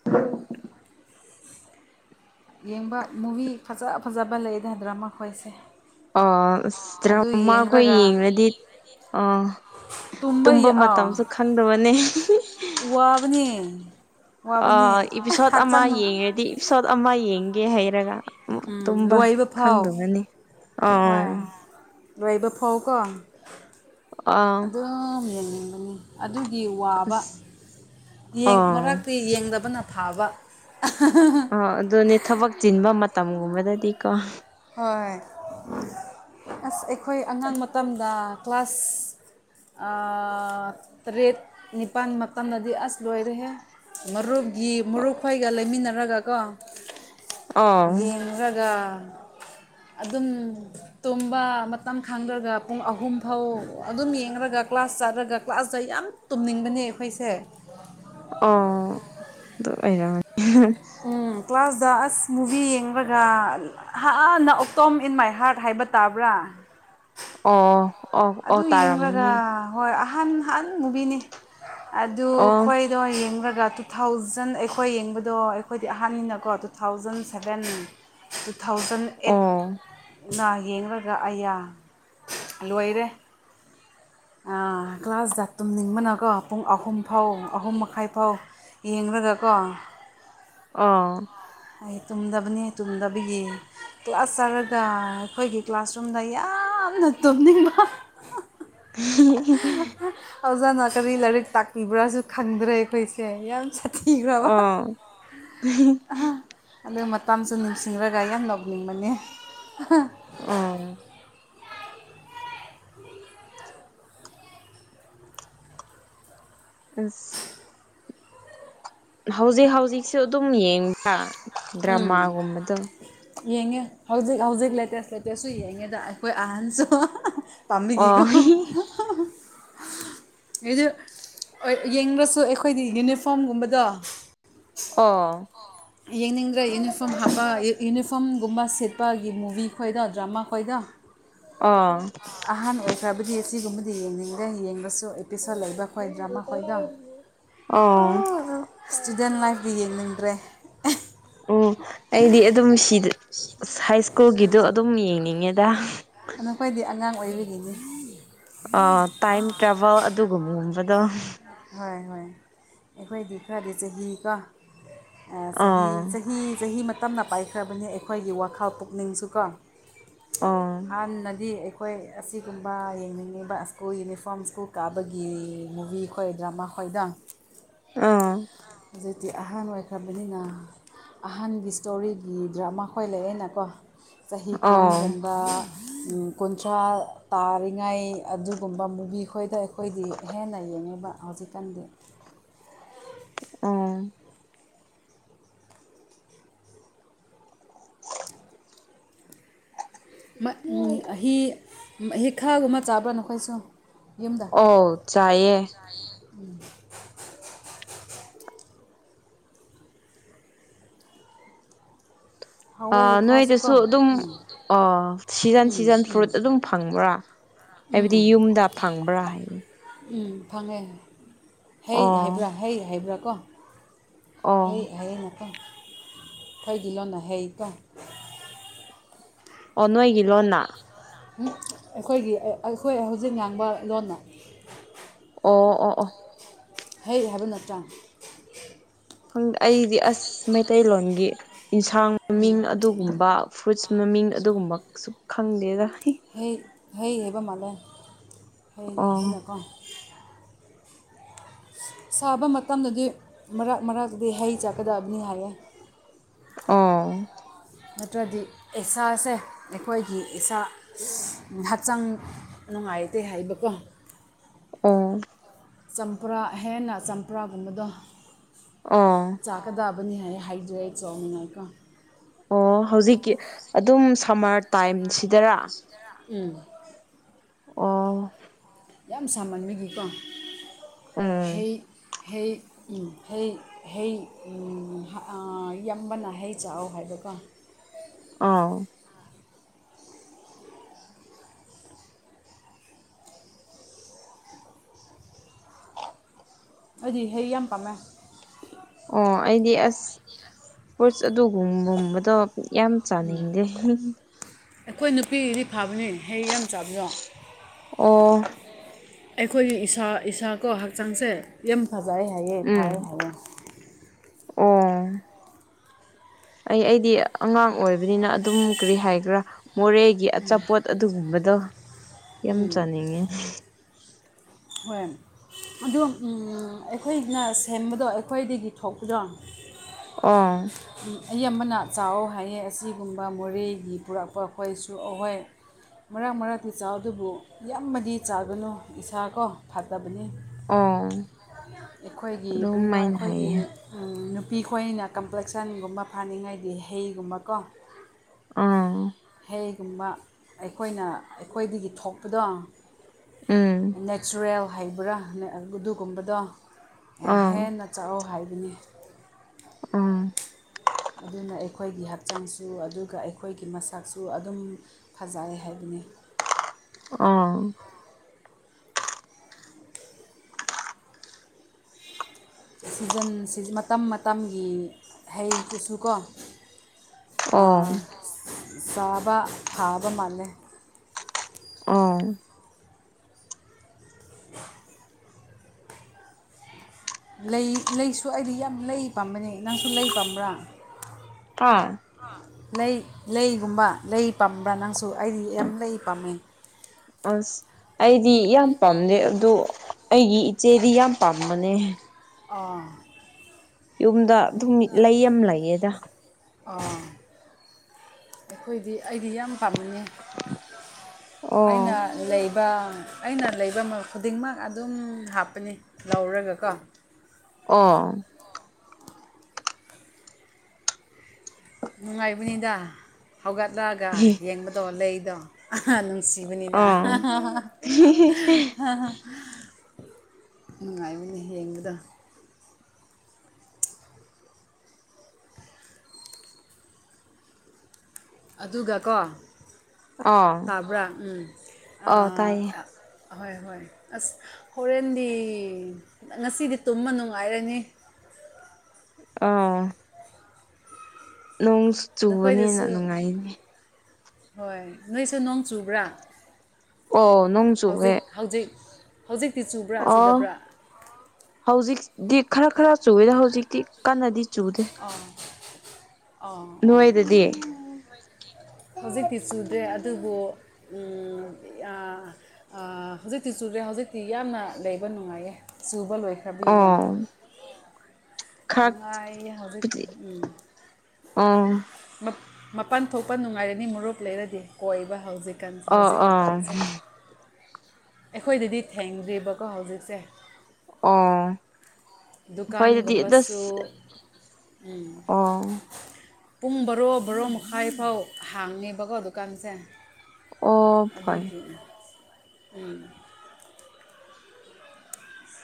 [inaudible] ꯌꯦꯡꯕ ꯃꯨꯚꯤ ꯐꯖ ꯐꯖꯕ ꯂꯩꯗ ꯗ꯭ꯔꯃꯥ ꯈꯣꯏꯁꯦ ꯑ ꯑꯁ ꯑꯗꯨ ꯗ꯭ꯔꯃꯥ ꯑꯩꯈꯣꯏ ꯌꯦꯡꯂꯒ ꯌꯦꯡꯂꯗꯤ ꯑ ꯇꯨꯝꯕ ꯃꯇꯝꯁꯨ ꯈꯪꯗꯕꯅꯦ ꯋꯥꯕꯅꯦ ꯑ ꯏꯄꯤꯁꯣꯠ ꯑꯃ ꯌꯦꯡꯉꯗꯤ ꯏꯄꯤꯁꯣꯠ ꯑꯃ ꯌꯦꯡꯒꯦ ꯍꯥꯏꯔꯒ ꯑꯃꯨꯛ ꯎꯝ ꯇꯨꯝꯕ ꯂꯣꯏꯕ ꯐꯥꯎ ꯈꯪꯗꯕꯅꯤ ꯑ ꯍꯣꯏ ꯂꯣꯏꯕ ꯐꯥꯎꯀꯣ ꯑꯥ ꯑꯗꯨꯝ ꯌꯦꯡꯅꯤꯡꯕꯅꯤ ꯑꯗꯨꯒꯤ ꯋꯥꯕ ꯑꯁ ꯌꯦꯡ ꯑꯥ ꯃꯔꯛꯇꯤ ꯌꯦꯡꯗꯕꯅ ꯐꯕ ꯑ [unintelligible] ꯑ ꯑꯗꯨꯅꯤ ꯊꯕꯛ ꯆꯤꯟꯕ ꯃꯇꯝ ꯒꯨꯝꯕꯗꯗꯤꯀꯣ ꯍꯣꯏ ꯑꯁ ꯑꯩꯈꯣꯏ ꯑꯉꯥꯡ ꯃꯇꯝꯗ ꯀ꯭ꯂꯥꯁ ꯑ ꯇꯔꯦꯠ ꯅꯤꯄꯥꯜ ꯃꯇꯝꯗꯗꯤ ꯑꯁ ꯂꯣꯏꯔꯦꯍꯦ ꯃꯔꯨꯞꯒꯤ ꯃꯨꯔꯨꯞ ꯈꯣꯏꯒ ꯂꯩꯃꯤꯟꯅꯔꯒ ꯀꯣ ꯑꯥ ꯌꯦꯡꯔꯒ ꯑꯗꯨꯝ ꯇꯨꯝꯕ ꯃꯇꯝ ꯈꯪꯗ꯭ꯔꯒ ꯄꯨꯡ ꯑꯍꯨꯝ ꯐꯥꯎ ꯑꯗꯨꯝ ꯌꯦꯡꯔꯒ ꯀ꯭ꯂꯥꯁ ꯆꯠꯂꯒ ꯀ꯭ꯂꯥꯁꯇ ꯌꯥꯝ ꯇꯨꯝꯅꯤꯡꯕꯅꯦ ꯑꯩꯈꯣꯏꯁꯦ ꯑ ꯑꯗꯨ ꯑꯣꯏꯔꯃꯅꯤ ꯎꯝ ꯀ꯭ꯂꯥꯁꯇ ꯑꯁ ꯃꯨꯚꯤ ꯌꯦꯡꯂꯒ ꯍꯥꯟꯅ ꯑꯣꯛꯇꯝ ꯏꯟ ꯃꯥꯏ ꯍꯥꯔꯠ ꯍꯥꯏꯕ ꯇꯥꯕ꯭ꯔꯥ ꯑꯣ ꯑꯣ ꯑꯣ ꯑꯗꯨ ꯇꯥꯔꯝꯅꯤ ꯌꯦꯡꯂꯒ ꯍꯣꯏ ꯑꯍꯥꯟ ꯍꯥꯟ ꯃꯨꯕꯤꯅꯤ ꯑꯗꯨ ꯑꯣ ꯈꯣꯏ ꯑꯗꯣ ꯌꯦꯡꯔꯒ ꯇꯨꯊꯥꯎꯖꯟ ꯑꯩꯈꯣꯏ ꯌꯦꯡꯕꯗꯣ ꯑꯩꯈꯣꯏꯗꯤ ꯑꯍꯥꯟꯕꯅꯤꯅꯀꯣ ꯇꯨꯊꯥꯎꯖꯟꯁꯕꯦꯟ ꯇꯨꯊꯥꯎꯖꯟ ꯑꯩꯠ ꯑꯣ ꯅ ꯌꯦꯡꯔꯒ ꯑꯩꯌꯥ ꯂꯣꯏꯔꯦ ꯑ ꯀ꯭ꯂꯥꯁꯗ ꯇꯨꯝꯅꯤꯡꯕꯅꯀꯣ ꯄꯨꯡ ꯑꯍꯨꯝꯐꯥꯎ ꯑꯍꯨꯝ ꯃꯈꯥꯏ ꯐꯥꯎ ꯌꯦꯡꯔꯒ ꯀꯣ ꯑ ꯍꯥꯏ ꯇꯨꯝꯗꯕꯅꯦ ꯇꯨꯝꯗꯕꯒꯤ ꯀ꯭ꯂꯥꯁ ꯆꯠꯔꯒ ꯑꯩꯈꯣꯏꯒꯤ ꯀ꯭ꯂꯥꯁꯔꯨꯝꯗ ꯌꯥꯝꯅ ꯇꯨꯝꯅꯤꯡꯕ [unintelligible] ꯑꯣꯖꯥꯅ ꯀꯔꯤ ꯂꯥꯏꯔꯤꯛ ꯇꯥꯛꯄꯤꯕ꯭ꯔꯥꯁꯨ ꯈꯪꯗ꯭ꯔꯦ ꯑꯩꯈꯣꯏꯁꯦ ꯌꯥꯝ ꯁꯥ ꯑꯥ ꯑ ꯑꯗꯨ ꯃꯇꯝꯁꯨ ꯅꯤꯡꯁꯤꯡꯔꯒ ꯌꯥꯝ ꯅꯣꯛꯅꯤꯡꯕꯅꯦ ꯎꯝ ꯑꯁ ꯍꯧꯖꯤꯛ ꯍꯧꯖꯤꯛꯁꯨ ꯑꯗꯨꯝ ꯌꯦꯡꯉꯤꯕꯥꯔꯣ ꯎꯝ ꯌꯦꯡꯉꯦ ꯍꯧꯖꯤꯛ ꯍꯧꯖꯤꯛ ꯂꯦꯇꯦꯁ ꯂꯦꯇꯦꯁꯁꯨ ꯌꯦꯡꯉꯦꯗ ꯑꯩꯈꯣꯏ ꯑꯍꯟꯁꯨ ꯄꯝꯕꯒꯤ ꯀꯣ ꯑꯣ ꯒꯤꯗꯨ ꯌꯦꯡꯂꯁꯨ ꯑꯩꯈꯣꯏꯗꯤ ꯌꯨꯅꯤꯐꯣꯔꯝ ꯒꯨꯝꯕꯗꯣ ꯑꯣ ꯌꯦꯡꯅꯤꯡꯗ꯭ꯔꯦ ꯌꯨꯅꯤꯐꯣꯔꯝ ꯍꯥꯞꯄ ꯌꯨꯅꯤꯐꯣꯔꯝꯒꯨꯝꯕ ꯁꯦꯠꯄꯒꯤ ꯃꯨꯚꯤ ꯈꯣꯏꯗꯣ ꯗ꯭ꯔꯃꯥ ꯈꯣꯏꯗꯣ ꯑꯣ ꯑꯍꯥꯟ ꯑꯣꯏꯈ꯭ꯔꯕꯗꯤ ꯑꯁꯤꯒꯨꯝꯕꯗꯤ ꯌꯦꯡꯅꯤꯡꯗꯦ ꯌꯦꯡꯕꯁꯨ ꯑꯦꯄꯤꯁꯣꯠ ꯂꯩꯕ ꯈꯣꯏ ꯗ꯭ꯔꯃꯥ ꯈꯣꯏꯗꯣ ꯏꯁꯇꯨꯗꯦꯟ ꯂꯥꯏꯐꯇꯤ ꯌꯦꯡꯅꯤꯡꯗ꯭ꯔꯦ ꯑꯣ ꯎꯝ ꯑꯩꯗꯤ ꯑꯗꯨꯝ ꯁꯤꯗ ꯍꯥꯏꯁ ꯁ꯭ꯀꯨꯜꯒꯤꯗꯣ ꯑꯗꯨꯝ ꯌꯦꯡꯅꯤꯡꯉꯦꯗ ꯅꯈꯣꯏꯗꯤ ꯑꯉꯥꯡ ꯑꯣꯏꯔꯤꯒꯤꯅꯤ ꯑꯣ ꯇꯥꯏꯝ ꯇ꯭ꯔꯥꯚꯦꯜ ꯑꯗꯨꯒꯨꯝꯕꯗꯣ ꯍꯣꯏ ꯍꯣꯏ ꯑꯩꯈꯣꯏꯗꯤ ꯈꯔꯗꯤ ꯆꯍꯤ ꯀꯣ ꯑ ꯆꯍꯤ ꯑꯥ ꯆꯍꯤ ꯆꯍꯤ ꯃꯠ ꯇꯞꯅ ꯄꯥꯏꯈ꯭ꯔꯕꯅꯤ ꯑꯩꯈꯣꯏꯒꯤ ꯋꯥꯈꯜ ꯄꯨꯛꯅꯤꯡꯁꯨ ꯀꯣ ꯑꯥ ꯍꯥꯟꯅꯗꯤ ꯑꯩ ꯑꯩꯈꯣꯏ ꯑꯁꯤꯒꯨꯝꯕ ꯌꯦꯡꯅꯤꯡꯉꯤꯕ ꯁ꯭ꯀꯨꯜ ꯌꯨꯅꯤꯐꯣꯔꯝ ꯁ꯭ꯀꯨꯜ ꯀꯥꯕꯒꯤ ꯃꯨꯚꯤ ꯈꯣꯏ ꯗ꯭ꯔꯃꯥ ꯐꯣꯏꯗ ꯑ ꯍꯧꯖꯤꯛꯇꯤ ꯑꯍꯥꯟ ꯑꯣꯏꯈ꯭ꯔꯕꯅꯤꯅ ꯑꯍꯟꯒꯤ ꯏꯁꯇꯣꯔꯤꯒꯤ ꯗ꯭ꯔꯃꯥ ꯈꯣꯏ ꯂꯩꯑꯅꯀꯣ ꯆꯍꯤ ꯀꯨꯟ ꯑꯥ ꯍꯦꯟꯕ ꯀꯨꯟꯊ꯭ꯔꯥ ꯇꯥꯔꯤꯉꯩ ꯑꯗꯨꯒꯨꯝꯕ ꯃꯨꯚꯤ ꯈꯣꯏꯗ ꯑꯩꯈꯣꯏꯗꯤ ꯍꯦꯟꯅ ꯌꯦꯡꯉꯤꯕ ꯍꯧꯖꯤꯛꯀꯥꯟꯗꯤ ꯎꯝ [inaudible] ꯑꯤ ꯃꯍꯤ ꯈꯥꯒꯨꯝꯕ ꯆꯥꯕ꯭ꯔꯥ ꯅꯈꯣꯏꯁꯨ ꯌꯨꯝꯗ ꯍꯣ ꯆꯌꯦ ꯍꯥꯎꯋꯦ ꯑꯥ ꯅꯣꯏꯗꯁꯨ ꯍꯩꯈꯥꯁꯨꯀꯣ ꯑꯗꯨꯝ ꯑꯥ ꯁꯤꯖꯟ ꯎꯝ ꯎꯝ ꯁꯤꯖꯟ ꯐ꯭ꯔꯨꯏꯠ ꯑꯗꯨꯝ ꯐꯪꯕ꯭ꯔꯥ ꯎꯝ ꯍꯥꯏꯕꯗꯤ ꯎꯝ ꯌꯨꯝꯗ ꯐꯪꯕ꯭ꯔꯥ ꯍꯥꯏꯕꯅꯤ ꯎꯝ ꯐꯪꯉꯦ ꯍꯩ ꯑꯣ ꯍꯥꯏꯕ꯭ꯔꯥ ꯍꯩ ꯍꯥꯏꯕ꯭ꯔꯥ ꯀꯣ ꯍꯩ ꯑꯣ ꯍꯌꯦꯅꯀꯣ ꯑꯩꯈꯣꯏꯒꯤ ꯂꯣꯟꯅ ꯍꯩꯀꯣ ꯑꯣ ꯅꯣꯏ ꯏꯂꯣꯅ ꯏꯪ ꯑꯩꯈꯣꯏꯒꯤ ꯑꯩꯈꯣꯏ ꯍꯧꯖꯤꯛ ꯉꯥꯡꯕ ꯂꯣꯟꯅ ꯑꯣ ꯑꯣ ꯑꯣ ꯍꯩ ꯍꯥꯏꯕ ꯅꯥꯠꯇꯔꯥ ꯑꯩꯗꯤ ꯑꯁ ꯃꯩꯇꯩꯂꯣꯟꯒꯤ ꯏꯟꯁꯥꯡ ꯃꯃꯤꯡ ꯑꯗꯨꯒꯨꯝꯕ ꯐ꯭ꯔꯨꯏꯠꯁ ꯃꯃꯤꯡ ꯑꯗꯨꯒꯨꯝꯕꯁꯨ ꯈꯪꯗꯦꯗ ꯍꯩ ꯍꯩ ꯍꯩꯕ ꯃꯥꯜꯂꯦ ꯍꯩ ꯑꯣ ꯍꯩꯅꯀꯣ ꯁꯥꯕ ꯃꯇꯝꯗꯗꯤ ꯃꯔꯥꯛ ꯃꯔꯥꯛꯗꯤ ꯍꯩ ꯆꯥꯛꯀꯗꯕꯅꯤ ꯍꯥꯏꯔꯦ ꯑꯣ ꯅꯥꯠꯇꯔꯗꯤ ꯑꯦꯁꯥ ꯁꯦ ꯑꯩꯈꯣꯏꯒꯤ ꯏꯁꯥ ꯍꯛꯆꯥꯡ ꯅꯨꯡꯉꯥꯏꯇꯦ ꯍꯥꯏꯕꯀꯣ ꯎꯝ ꯆꯝꯄ꯭ꯔꯥ ꯍꯦꯟꯅ ꯆꯝꯄ꯭ꯔꯥꯒꯨꯝꯕꯗꯣ ꯑꯣ ꯆꯥꯀꯗꯕꯅꯤ ꯍꯥꯏ ꯍꯥꯏꯗ꯭ꯔꯦ ꯑꯣꯏ ꯅꯤ ꯉꯥꯏꯀꯣ ꯑꯣ ꯍꯧꯖꯤꯛꯀꯤ ꯑꯗꯨꯝ ꯁꯝꯃꯔ ꯇꯥꯏꯝꯁꯤꯗꯔꯥ ꯎꯝ ꯑꯣ ꯌꯥꯝ ꯁꯥꯃꯟꯕꯒꯤꯀꯣ ꯎꯝ ꯍꯩ ꯍꯩ ꯎ ꯍꯩ ꯍꯩ ꯌꯥꯝꯕꯅ ꯍꯩ ꯆꯥꯛ ꯍꯥꯏꯕꯀꯣ ꯑꯥꯎ ꯍꯧꯖꯤ ꯍꯌꯦ ꯌꯥꯝ ꯑꯃ ꯄꯥꯃꯦ ꯑꯣ ꯑꯩꯗꯤ ꯑꯁ ꯐꯨꯨꯔꯁ ꯑꯗꯨꯒꯨꯝꯒꯨꯝꯕꯗꯣ ꯌꯥꯝ ꯆꯥꯅꯤꯡꯗꯦ ꯑꯩꯈꯣꯏ ꯅꯨꯄꯤꯗꯤ ꯐꯥꯕꯅꯦ ꯍꯌꯦ ꯌꯥꯝ ꯆꯥꯕꯅꯣ ꯑꯣ ꯑꯩꯈꯣꯏꯒꯤ ꯏꯁꯥ ꯏꯁꯥꯀꯣ ꯍꯛꯆꯥꯡꯁꯦ ꯌꯥꯝ ꯐꯖꯩ ꯍꯥꯏꯌꯦ ꯎꯝ ꯐꯥꯏ ꯍꯥꯏꯌꯦꯦ ꯑꯣ ꯑꯩ ꯑꯩꯗꯤ ꯑꯉꯥꯡ ꯑꯣꯏꯕꯅꯤꯅ ꯑꯗꯨꯝ ꯀꯔꯤ ꯍꯥꯏꯒ꯭ꯔꯥ ꯃꯣꯔꯦ ꯒꯤ ꯑꯆꯥꯄꯣꯠ ꯑꯗꯨꯒꯨꯝꯕꯗꯣ ꯌꯥꯝ ꯆꯥꯅꯤꯡꯉꯤ ꯍꯣꯏ ꯑꯗꯨ ꯑꯩꯈꯣꯏꯅ ꯁꯦꯝꯕꯗꯣ ꯑꯩꯈꯣꯏꯗꯒꯤ ꯊꯣꯛꯄꯗꯣ ꯑ ꯑꯕꯅ ꯆꯥꯎꯋ ꯍꯥꯏꯌꯦ ꯑꯁꯤꯒꯨꯝꯕ ꯃꯣꯔꯦꯒꯤ ꯄꯨꯔꯛꯄ ꯑꯩꯈꯣꯏꯁꯨ ꯑꯍꯣꯏ ꯃꯔꯛ ꯃꯔꯛꯇꯤ ꯆꯥꯗꯨꯕꯨ ꯌꯥꯝꯃꯗꯤ ꯆꯥꯒꯅꯨ ꯏꯁꯥ ꯀꯣ ꯐꯠꯇꯕꯅꯤ ꯑꯥ ꯑꯩꯈꯣꯏꯒꯤ ꯀꯔꯤꯅꯣ ꯑꯩꯈꯣꯏꯗꯤ ꯅꯨꯄꯤ ꯈꯣꯏꯅ ꯀꯝꯄ꯭ꯂꯦꯛꯁꯟꯒꯨꯝꯕ ꯐꯥꯅꯤꯡꯉꯩꯗꯤ ꯍꯩꯒꯨꯝꯕꯀꯣ ꯑꯥ ꯀꯩꯒꯨꯝꯕ ꯑꯩꯈꯣꯏꯅ ꯑꯩꯈꯣꯏꯗꯒꯤ ꯊꯣꯛꯄꯗꯣ ꯎꯝ ꯅꯦꯆꯔꯦꯜ ꯍꯩꯕ꯭ꯔꯥ ꯑꯗꯨꯒꯨꯝꯕꯗꯣ ꯑꯥ ꯍꯦꯟꯅ ꯆꯥꯛꯑꯣ ꯍꯥꯏꯕꯅꯤ ꯎꯝ ꯑꯗꯨꯅ ꯑꯩꯈꯣꯏꯒꯤ ꯍꯛꯆꯥꯡꯁꯨ ꯑꯗꯨꯒ ꯑꯩꯈꯣꯏꯒꯤ ꯃꯁꯥꯛꯁꯨ ꯑꯗꯨꯝ ꯐꯖꯩ ꯍꯥꯏꯕꯅꯤ ꯑꯥ ꯁꯤꯖꯟ ꯁꯤ ꯃꯇꯝ ꯃꯇꯝꯒꯤ ꯍꯩ ꯀꯨꯁꯨ ꯀꯣ ꯑꯣ ꯆꯥꯕ ꯐꯥꯕ ꯃꯥꯜꯂꯦ ꯑꯥ ꯂꯩ ꯂꯩꯁꯨ ꯑꯩꯗꯤ ꯌꯥꯝ ꯂꯩ ꯄꯥꯝꯕꯅꯦ ꯅꯪꯁꯨ ꯂꯩ ꯄꯥꯝꯕ꯭ꯔꯥ ꯇ ꯂꯩ ꯂꯩꯒꯨꯝꯕ ꯂꯩ ꯄꯥꯝꯕ꯭ꯔꯥ ꯅꯪꯁꯨ ꯑꯩꯗꯤ ꯌꯥꯝ ꯂꯩ ꯄꯥꯝꯃꯦ ꯑꯁ ꯑꯩꯗꯤ ꯌꯥꯝ ꯄꯥꯝꯗꯦ ꯑꯗꯨ ꯑꯩꯒꯤ ꯏꯆꯦꯗꯤ ꯌꯥꯝ ꯄꯥꯝꯕꯅꯦ ꯑꯥ ꯌꯨꯝꯗ ꯑꯗꯨꯝ ꯂꯩ ꯑꯃ ꯂꯩꯌꯦꯗ ꯑꯣꯥ ꯑꯩꯈꯣꯏꯗꯤ ꯑꯩꯗꯤ ꯌꯥꯝ ꯄꯥꯝꯃꯅꯤ ꯑꯩꯅ ꯑꯣ ꯂꯩꯕ ꯑꯩꯅ ꯂꯩꯕ ꯈꯨꯗꯤꯡꯃꯛ ꯑꯗꯨꯝ ꯍꯥꯞꯄꯅꯤ ꯂꯧꯔꯒꯀꯣ ꯑꯣ ꯅꯨꯡꯉꯥꯏꯕꯅꯤꯗ ꯍꯧꯒꯠꯂꯛꯒ ꯌꯦꯡꯕꯗꯣ ꯂꯩꯗꯣ ꯁꯤꯕꯅꯤꯗ ꯑꯥ ꯅꯨꯡꯉꯥꯏꯕꯅꯦ ꯌꯦꯡꯕꯗ ꯑꯗꯨꯒꯀꯣ ꯇꯥꯕ꯭ꯔꯥ ꯎꯝ ꯑꯥ ꯇꯥꯏꯌꯦ ꯑꯍꯣꯏ ꯍꯣꯏ ꯑꯁ ꯍꯣꯔꯦꯟꯗꯤ ꯉꯁꯤꯗꯤ ꯇꯨꯝꯃ ꯅꯨꯡꯉꯥꯏꯔꯅꯤ ꯑꯥ ꯅꯣꯡꯁꯨ ꯆꯨꯕꯅꯦꯅ ꯅꯈꯣꯏꯗꯁꯨ ꯅꯨꯡꯉꯥꯏꯅꯤ ꯍꯣꯏ ꯅꯣꯏꯁꯨ ꯅꯣꯡ ꯆꯨꯕ꯭ꯔꯥ ꯑꯣ ꯅꯣꯡ ꯆꯨꯋꯦ ꯍꯧꯖꯤꯛ ꯍꯧꯖꯤꯛ ꯍꯧꯖꯤꯛꯇꯤ ꯆꯨꯕ꯭ꯔꯥ ꯑꯣ ꯆꯨꯗꯕ꯭ꯔꯥ ꯍꯧꯖꯤꯛꯇꯤ ꯈꯔ ꯈꯔ ꯆꯨꯨꯔꯦꯗ ꯍꯧꯖꯤꯛꯇꯤ ꯀꯟꯅꯗꯤ ꯆꯨꯗꯦ ꯑꯣ ꯑꯣ ꯑꯣ ꯎꯝ ꯍꯧꯖꯤꯛꯇꯤ ꯆꯨꯗ꯭ꯔꯦ ꯑꯗꯨꯕꯨ ꯍꯧꯖꯤꯛꯇꯤ ꯆꯨꯔꯦ ꯍꯧꯖꯤꯛꯇꯤ ꯌꯥꯝꯅ ꯂꯩꯕ ꯅꯨꯡꯉꯥꯏꯌꯦ ꯆꯨꯕ ꯂꯣꯏꯈ꯭ꯔꯕꯤꯀꯣ ꯑꯣ ꯈꯔꯕꯨꯗꯤ ꯅꯨꯡꯉꯥꯏ ꯍꯧꯕꯣꯏꯗꯤ ꯎꯝ ꯑꯥ ꯃꯄꯥꯟ ꯊꯣꯛꯄ ꯅꯨꯡꯉꯥꯏꯔꯅꯤ ꯃꯨꯞ ꯂꯩꯔꯗꯤ ꯀꯣꯏꯕ ꯍꯧꯖꯤꯛ ꯑꯣ ꯍꯧꯖꯤꯛ ꯑꯣ ꯃꯇꯝꯁꯦ ꯑꯩꯈꯣꯏꯗꯗꯤ ꯊꯦꯡꯗ꯭ꯔꯤꯕꯀꯣ ꯍꯧꯖꯤꯛꯁꯦ ꯑꯣ ꯑꯩꯈꯣꯏꯗꯗꯤ ꯗꯨꯀꯥꯟꯒꯨꯝꯕꯁꯨ ꯑꯁ ꯎꯝ ꯑꯣ ꯄꯨꯡ ꯕꯣꯔꯣ ꯕꯣꯔꯣ ꯃꯈꯥꯏꯐꯥꯎ ꯍꯥꯡꯉꯦꯕꯀꯣ ꯗꯨꯀꯥꯟꯁꯦ ꯑꯣ ꯑꯗꯨ ꯐꯩ ꯍꯅ ꯎꯝ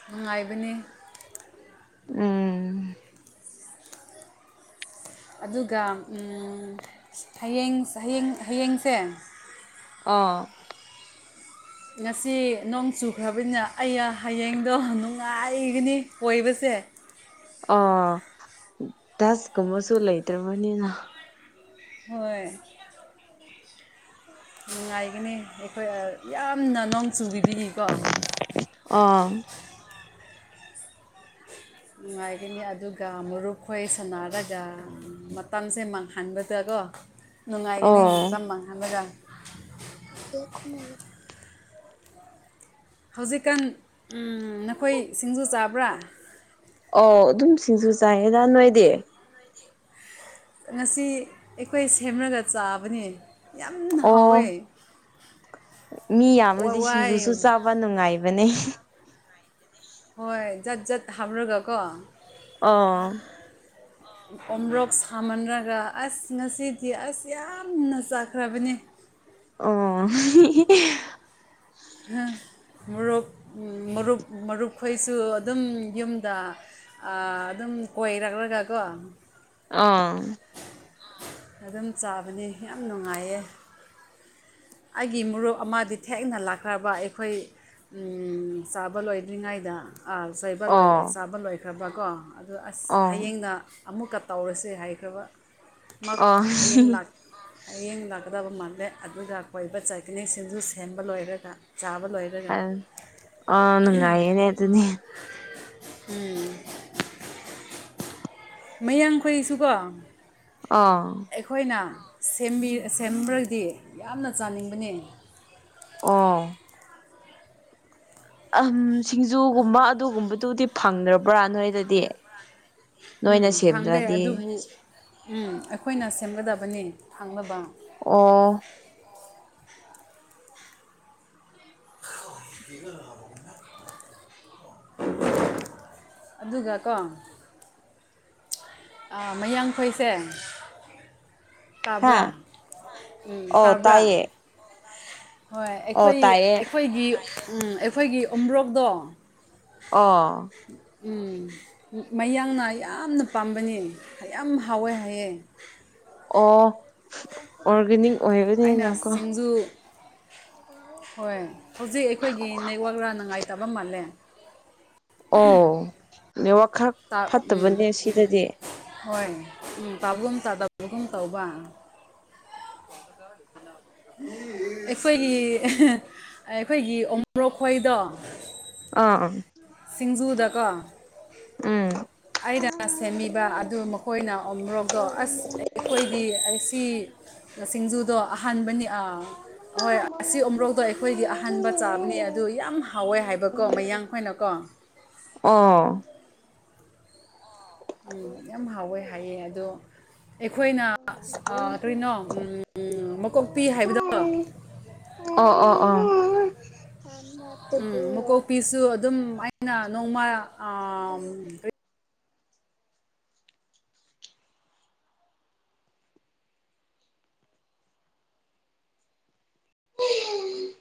ꯅꯨꯡꯉꯥꯏꯕꯅꯤ ꯎꯝ ꯑꯗꯨꯒ ꯍꯌꯦꯡ ꯍꯌꯦꯡ ꯍꯌꯦꯡꯁꯦ ꯑꯥ ꯉꯁꯤ ꯅꯣꯡ ꯆꯨꯈ꯭ꯔꯕꯅꯤꯅ ꯑꯩꯩꯅ ꯍꯌꯦꯡꯗꯣ ꯅꯨꯡꯉꯥꯏꯒꯅꯤ ꯀꯣꯏꯕꯁꯦ ꯑ ꯁꯀꯨꯝꯕꯁꯨ ꯂꯩꯇ꯭ꯔꯕꯅꯤꯅ ꯍꯣꯏ ꯅꯨꯡꯉꯥꯏꯒꯅꯤ ꯑꯩꯈꯣꯏ ꯌꯥꯝꯅ ꯅꯣꯡ ꯆꯨ ꯄꯤꯕꯤꯈꯤꯀꯣ ꯑꯥ ꯅꯨꯡꯉꯥꯏꯒꯅꯤ ꯑꯗꯨꯒ ꯃꯔꯨꯞ ꯈꯣꯏ ꯁꯅꯔꯒ ꯃꯇꯝꯁꯦ ꯃꯥꯡꯍꯟꯕꯗꯀꯣ [unintelligible] ꯅꯨꯡꯉꯥꯏꯒꯅꯤ ꯂꯝ ꯃꯥꯡꯍꯥꯡꯂꯒ ꯑꯦꯈꯨꯝ ꯃꯂ ꯍꯧꯖꯤꯛꯀꯥꯟ ꯅꯈꯣꯏ ꯁꯤꯡꯖꯨ ꯆꯥꯕ꯭ꯔꯥ ꯑꯣꯧ ꯑꯗꯨꯝ ꯁꯤꯡꯖꯨ ꯆꯥꯏꯌꯦꯗꯥ ꯅꯣꯏꯗꯤ ꯉꯁꯤ ꯑꯩꯈꯣꯏ ꯁꯦꯝꯂꯒ ꯆꯥꯕꯅꯦ ꯌꯥꯝꯅ ꯍꯥꯎꯋꯦ ꯑꯣ ꯃꯤ ꯌꯥꯝꯗꯤ ꯁꯤꯡꯖꯨꯁꯨ ꯍꯋꯥꯏ ꯆꯥꯕ ꯅꯨꯡꯉꯥꯏꯕꯅꯦ ꯍꯣꯏ ꯖꯥꯠ ꯖꯥꯠ ꯍꯥꯞꯔꯒꯀꯣ ꯑꯥ [unintelligible] ꯑꯣꯔꯣꯛ ꯁꯥꯃꯟꯔꯒ ꯑꯁ ꯉꯁꯤꯗꯤ ꯑꯁ ꯌꯥꯝꯅ ꯆꯥꯈ꯭ꯔꯕꯅꯤ ꯑꯣ ꯎꯝ ꯃꯔꯨꯞ ꯃꯔꯨꯞ ꯃꯔꯨꯞꯈꯣꯏꯁꯨ ꯑꯗꯨꯝ ꯌꯨꯝꯗ ꯑ ꯑꯗꯨꯝ ꯀꯣꯏꯔꯛꯂꯒꯀꯣ ꯑ ꯑꯗꯨꯝ ꯆꯥꯕꯅꯤ ꯌꯥꯝ ꯅꯨꯡꯉꯥꯏꯌꯦ ꯑꯩꯒꯤ ꯃꯨꯞ ꯑꯃꯗꯤ ꯊꯦꯡꯅ ꯂꯥꯛꯈ꯭ꯔꯕ ꯑꯩꯈꯣꯏ ꯁꯥꯕ ꯂꯣꯏꯗ꯭ꯔꯤꯉꯩꯗ ꯆꯩꯕ ꯂꯣꯏ ꯑꯣ ꯆꯥꯕ ꯂꯣꯏꯈ꯭ꯔꯕꯀꯣ ꯑꯗꯨꯗ ꯑꯁ ꯑꯣ ꯍꯌꯦꯡꯅ ꯑꯃꯨꯛꯀ ꯇꯧꯔꯁꯦ ꯍꯥꯏꯈ꯭ꯔꯕꯃꯛ ꯑꯣ ꯍꯌꯦꯡ [unintelligible] ꯍꯌꯦꯡ ꯂꯥꯛꯀꯗꯕ ꯃꯥꯜꯂꯦ ꯑꯗꯨꯒ ꯀꯣꯏꯕ ꯆꯥꯛꯀꯅꯤꯡꯁꯤꯡꯁꯨ ꯁꯦꯝꯕ ꯂꯣꯏꯔꯒ ꯆꯥꯕ ꯂꯣꯏꯔ ꯑ ꯑꯅꯨꯡ ꯉꯥꯏꯅꯦ ꯑꯗꯨꯅꯤ ꯎꯝ ꯃꯌꯥꯡꯈꯣꯏꯁꯨꯀꯣ ꯑꯥ ꯑꯩꯈꯣꯏꯅ ꯁꯦꯝꯕ꯭ꯔꯒꯗꯤ ꯌꯥꯝꯅ ꯆꯥꯅꯤꯡꯕꯅꯤ ꯑꯣ ꯑ ꯁꯤꯡꯖꯨꯒꯨꯝꯕ ꯑꯗꯨꯒꯨꯝꯕꯗꯨꯗꯤ ꯐꯪꯗ꯭ꯔꯕ꯭ꯔꯥ ꯅꯣꯏꯗꯗꯤ ꯎꯝ ꯅꯣꯏꯅ ꯐꯪꯗꯦ ꯑꯗꯨꯕꯨ ꯁꯦꯝꯗ꯭ꯔꯗꯤ ꯎꯝ ꯑꯩꯈꯣꯏꯅ ꯁꯦꯝꯒꯗꯕꯅꯤ ꯐꯥꯡꯅꯕ ꯑꯣ ꯑꯗꯨꯒ ꯀꯣ ꯥ ꯃꯌꯥꯡꯈꯣꯏꯁꯦ ꯍꯥ ꯇꯕ꯭ꯔꯥ ꯎ ꯑꯣ ꯇꯕ꯭ꯔꯥ ꯇꯥꯏꯌꯦ ꯍꯣꯏ ꯑꯣ ꯑꯩꯈꯣꯏ ꯇꯥꯏꯌꯦ ꯑꯩꯈꯣꯏꯒꯤ ꯑꯩꯈꯣꯏꯒꯤ ꯎꯝꯕ꯭ꯔꯣꯛꯇꯣ ꯑ ꯎꯝ ꯃꯌꯥꯡꯅ ꯌꯥꯝꯅ ꯄꯥꯝꯕꯅꯤ ꯌꯥꯝ ꯍꯥꯎꯋꯦ ꯍꯥꯏꯑꯦ ꯑꯣ ꯑꯣꯔꯒꯥꯅꯤꯛ ꯑꯩꯅ ꯑꯣꯏꯕꯅꯤꯅꯀꯣ ꯁꯤꯡꯖꯨ ꯍꯣꯏ ꯍꯧꯖꯤꯛ ꯑꯩꯈꯣꯏꯒꯤ ꯅꯦꯠꯋꯥꯛ ꯔ ꯅꯨꯡꯉꯥꯏꯇꯕ ꯃꯥꯜꯂꯦ ꯑꯣ ꯅꯋ ꯈꯥꯛ ꯎꯝ ꯍꯣꯏ ꯎꯝ ꯇꯥꯕꯒꯨꯝꯕꯒꯨꯝ ꯇꯧꯕ ꯇꯣꯣ ꯀꯌꯥ ꯑꯩꯈꯣꯏꯒꯤ ꯑꯩꯈꯣꯏꯒꯤ ꯎꯣꯔꯣꯛꯈꯣꯏꯗꯣ ꯑ ꯁꯤꯡꯖꯨꯗꯀ ꯎꯝ ꯑꯩꯅ ꯁꯦꯝꯃꯤꯕ ꯑꯗꯨ ꯃꯈꯣꯏꯅ ꯑꯣ꯭ꯔꯣꯛꯗꯣ ꯑꯁ ꯑꯩꯈꯣꯏꯗꯤ ꯑꯁꯤ ꯁꯤꯡꯖꯨꯗꯣ ꯑꯍꯥꯟꯕꯅꯤ ꯑꯥ ꯍꯣꯏ ꯑꯁꯤ ꯑꯃꯔꯣꯛꯗꯣ ꯑꯩꯈꯣꯏꯗꯤ ꯑꯍꯟꯕ ꯆꯥꯕꯅꯦ ꯑꯗꯨ ꯌꯥꯝ ꯍꯥꯎꯋꯦ ꯍꯥꯏꯕꯀꯣ ꯃꯌꯥꯡꯈꯣꯏꯅꯀꯣ ꯑꯥ ꯎꯝ ꯌꯥꯝ ꯍꯥꯎꯋꯦ ꯍꯥꯏꯌꯦ ꯑꯗꯣ ꯑꯩꯈꯣꯏꯅ ꯀꯔꯤꯅꯣ ꯃꯀꯣꯛꯄꯤ ꯍꯥꯏꯕꯗꯣ ꯑꯣ ꯑꯣ ꯑꯣ ꯎꯝ ꯃꯨꯀꯣꯛꯄꯤꯁꯨ ꯑꯗꯨꯝ ꯑꯩꯅ ꯅꯣꯡꯃ ꯎꯝ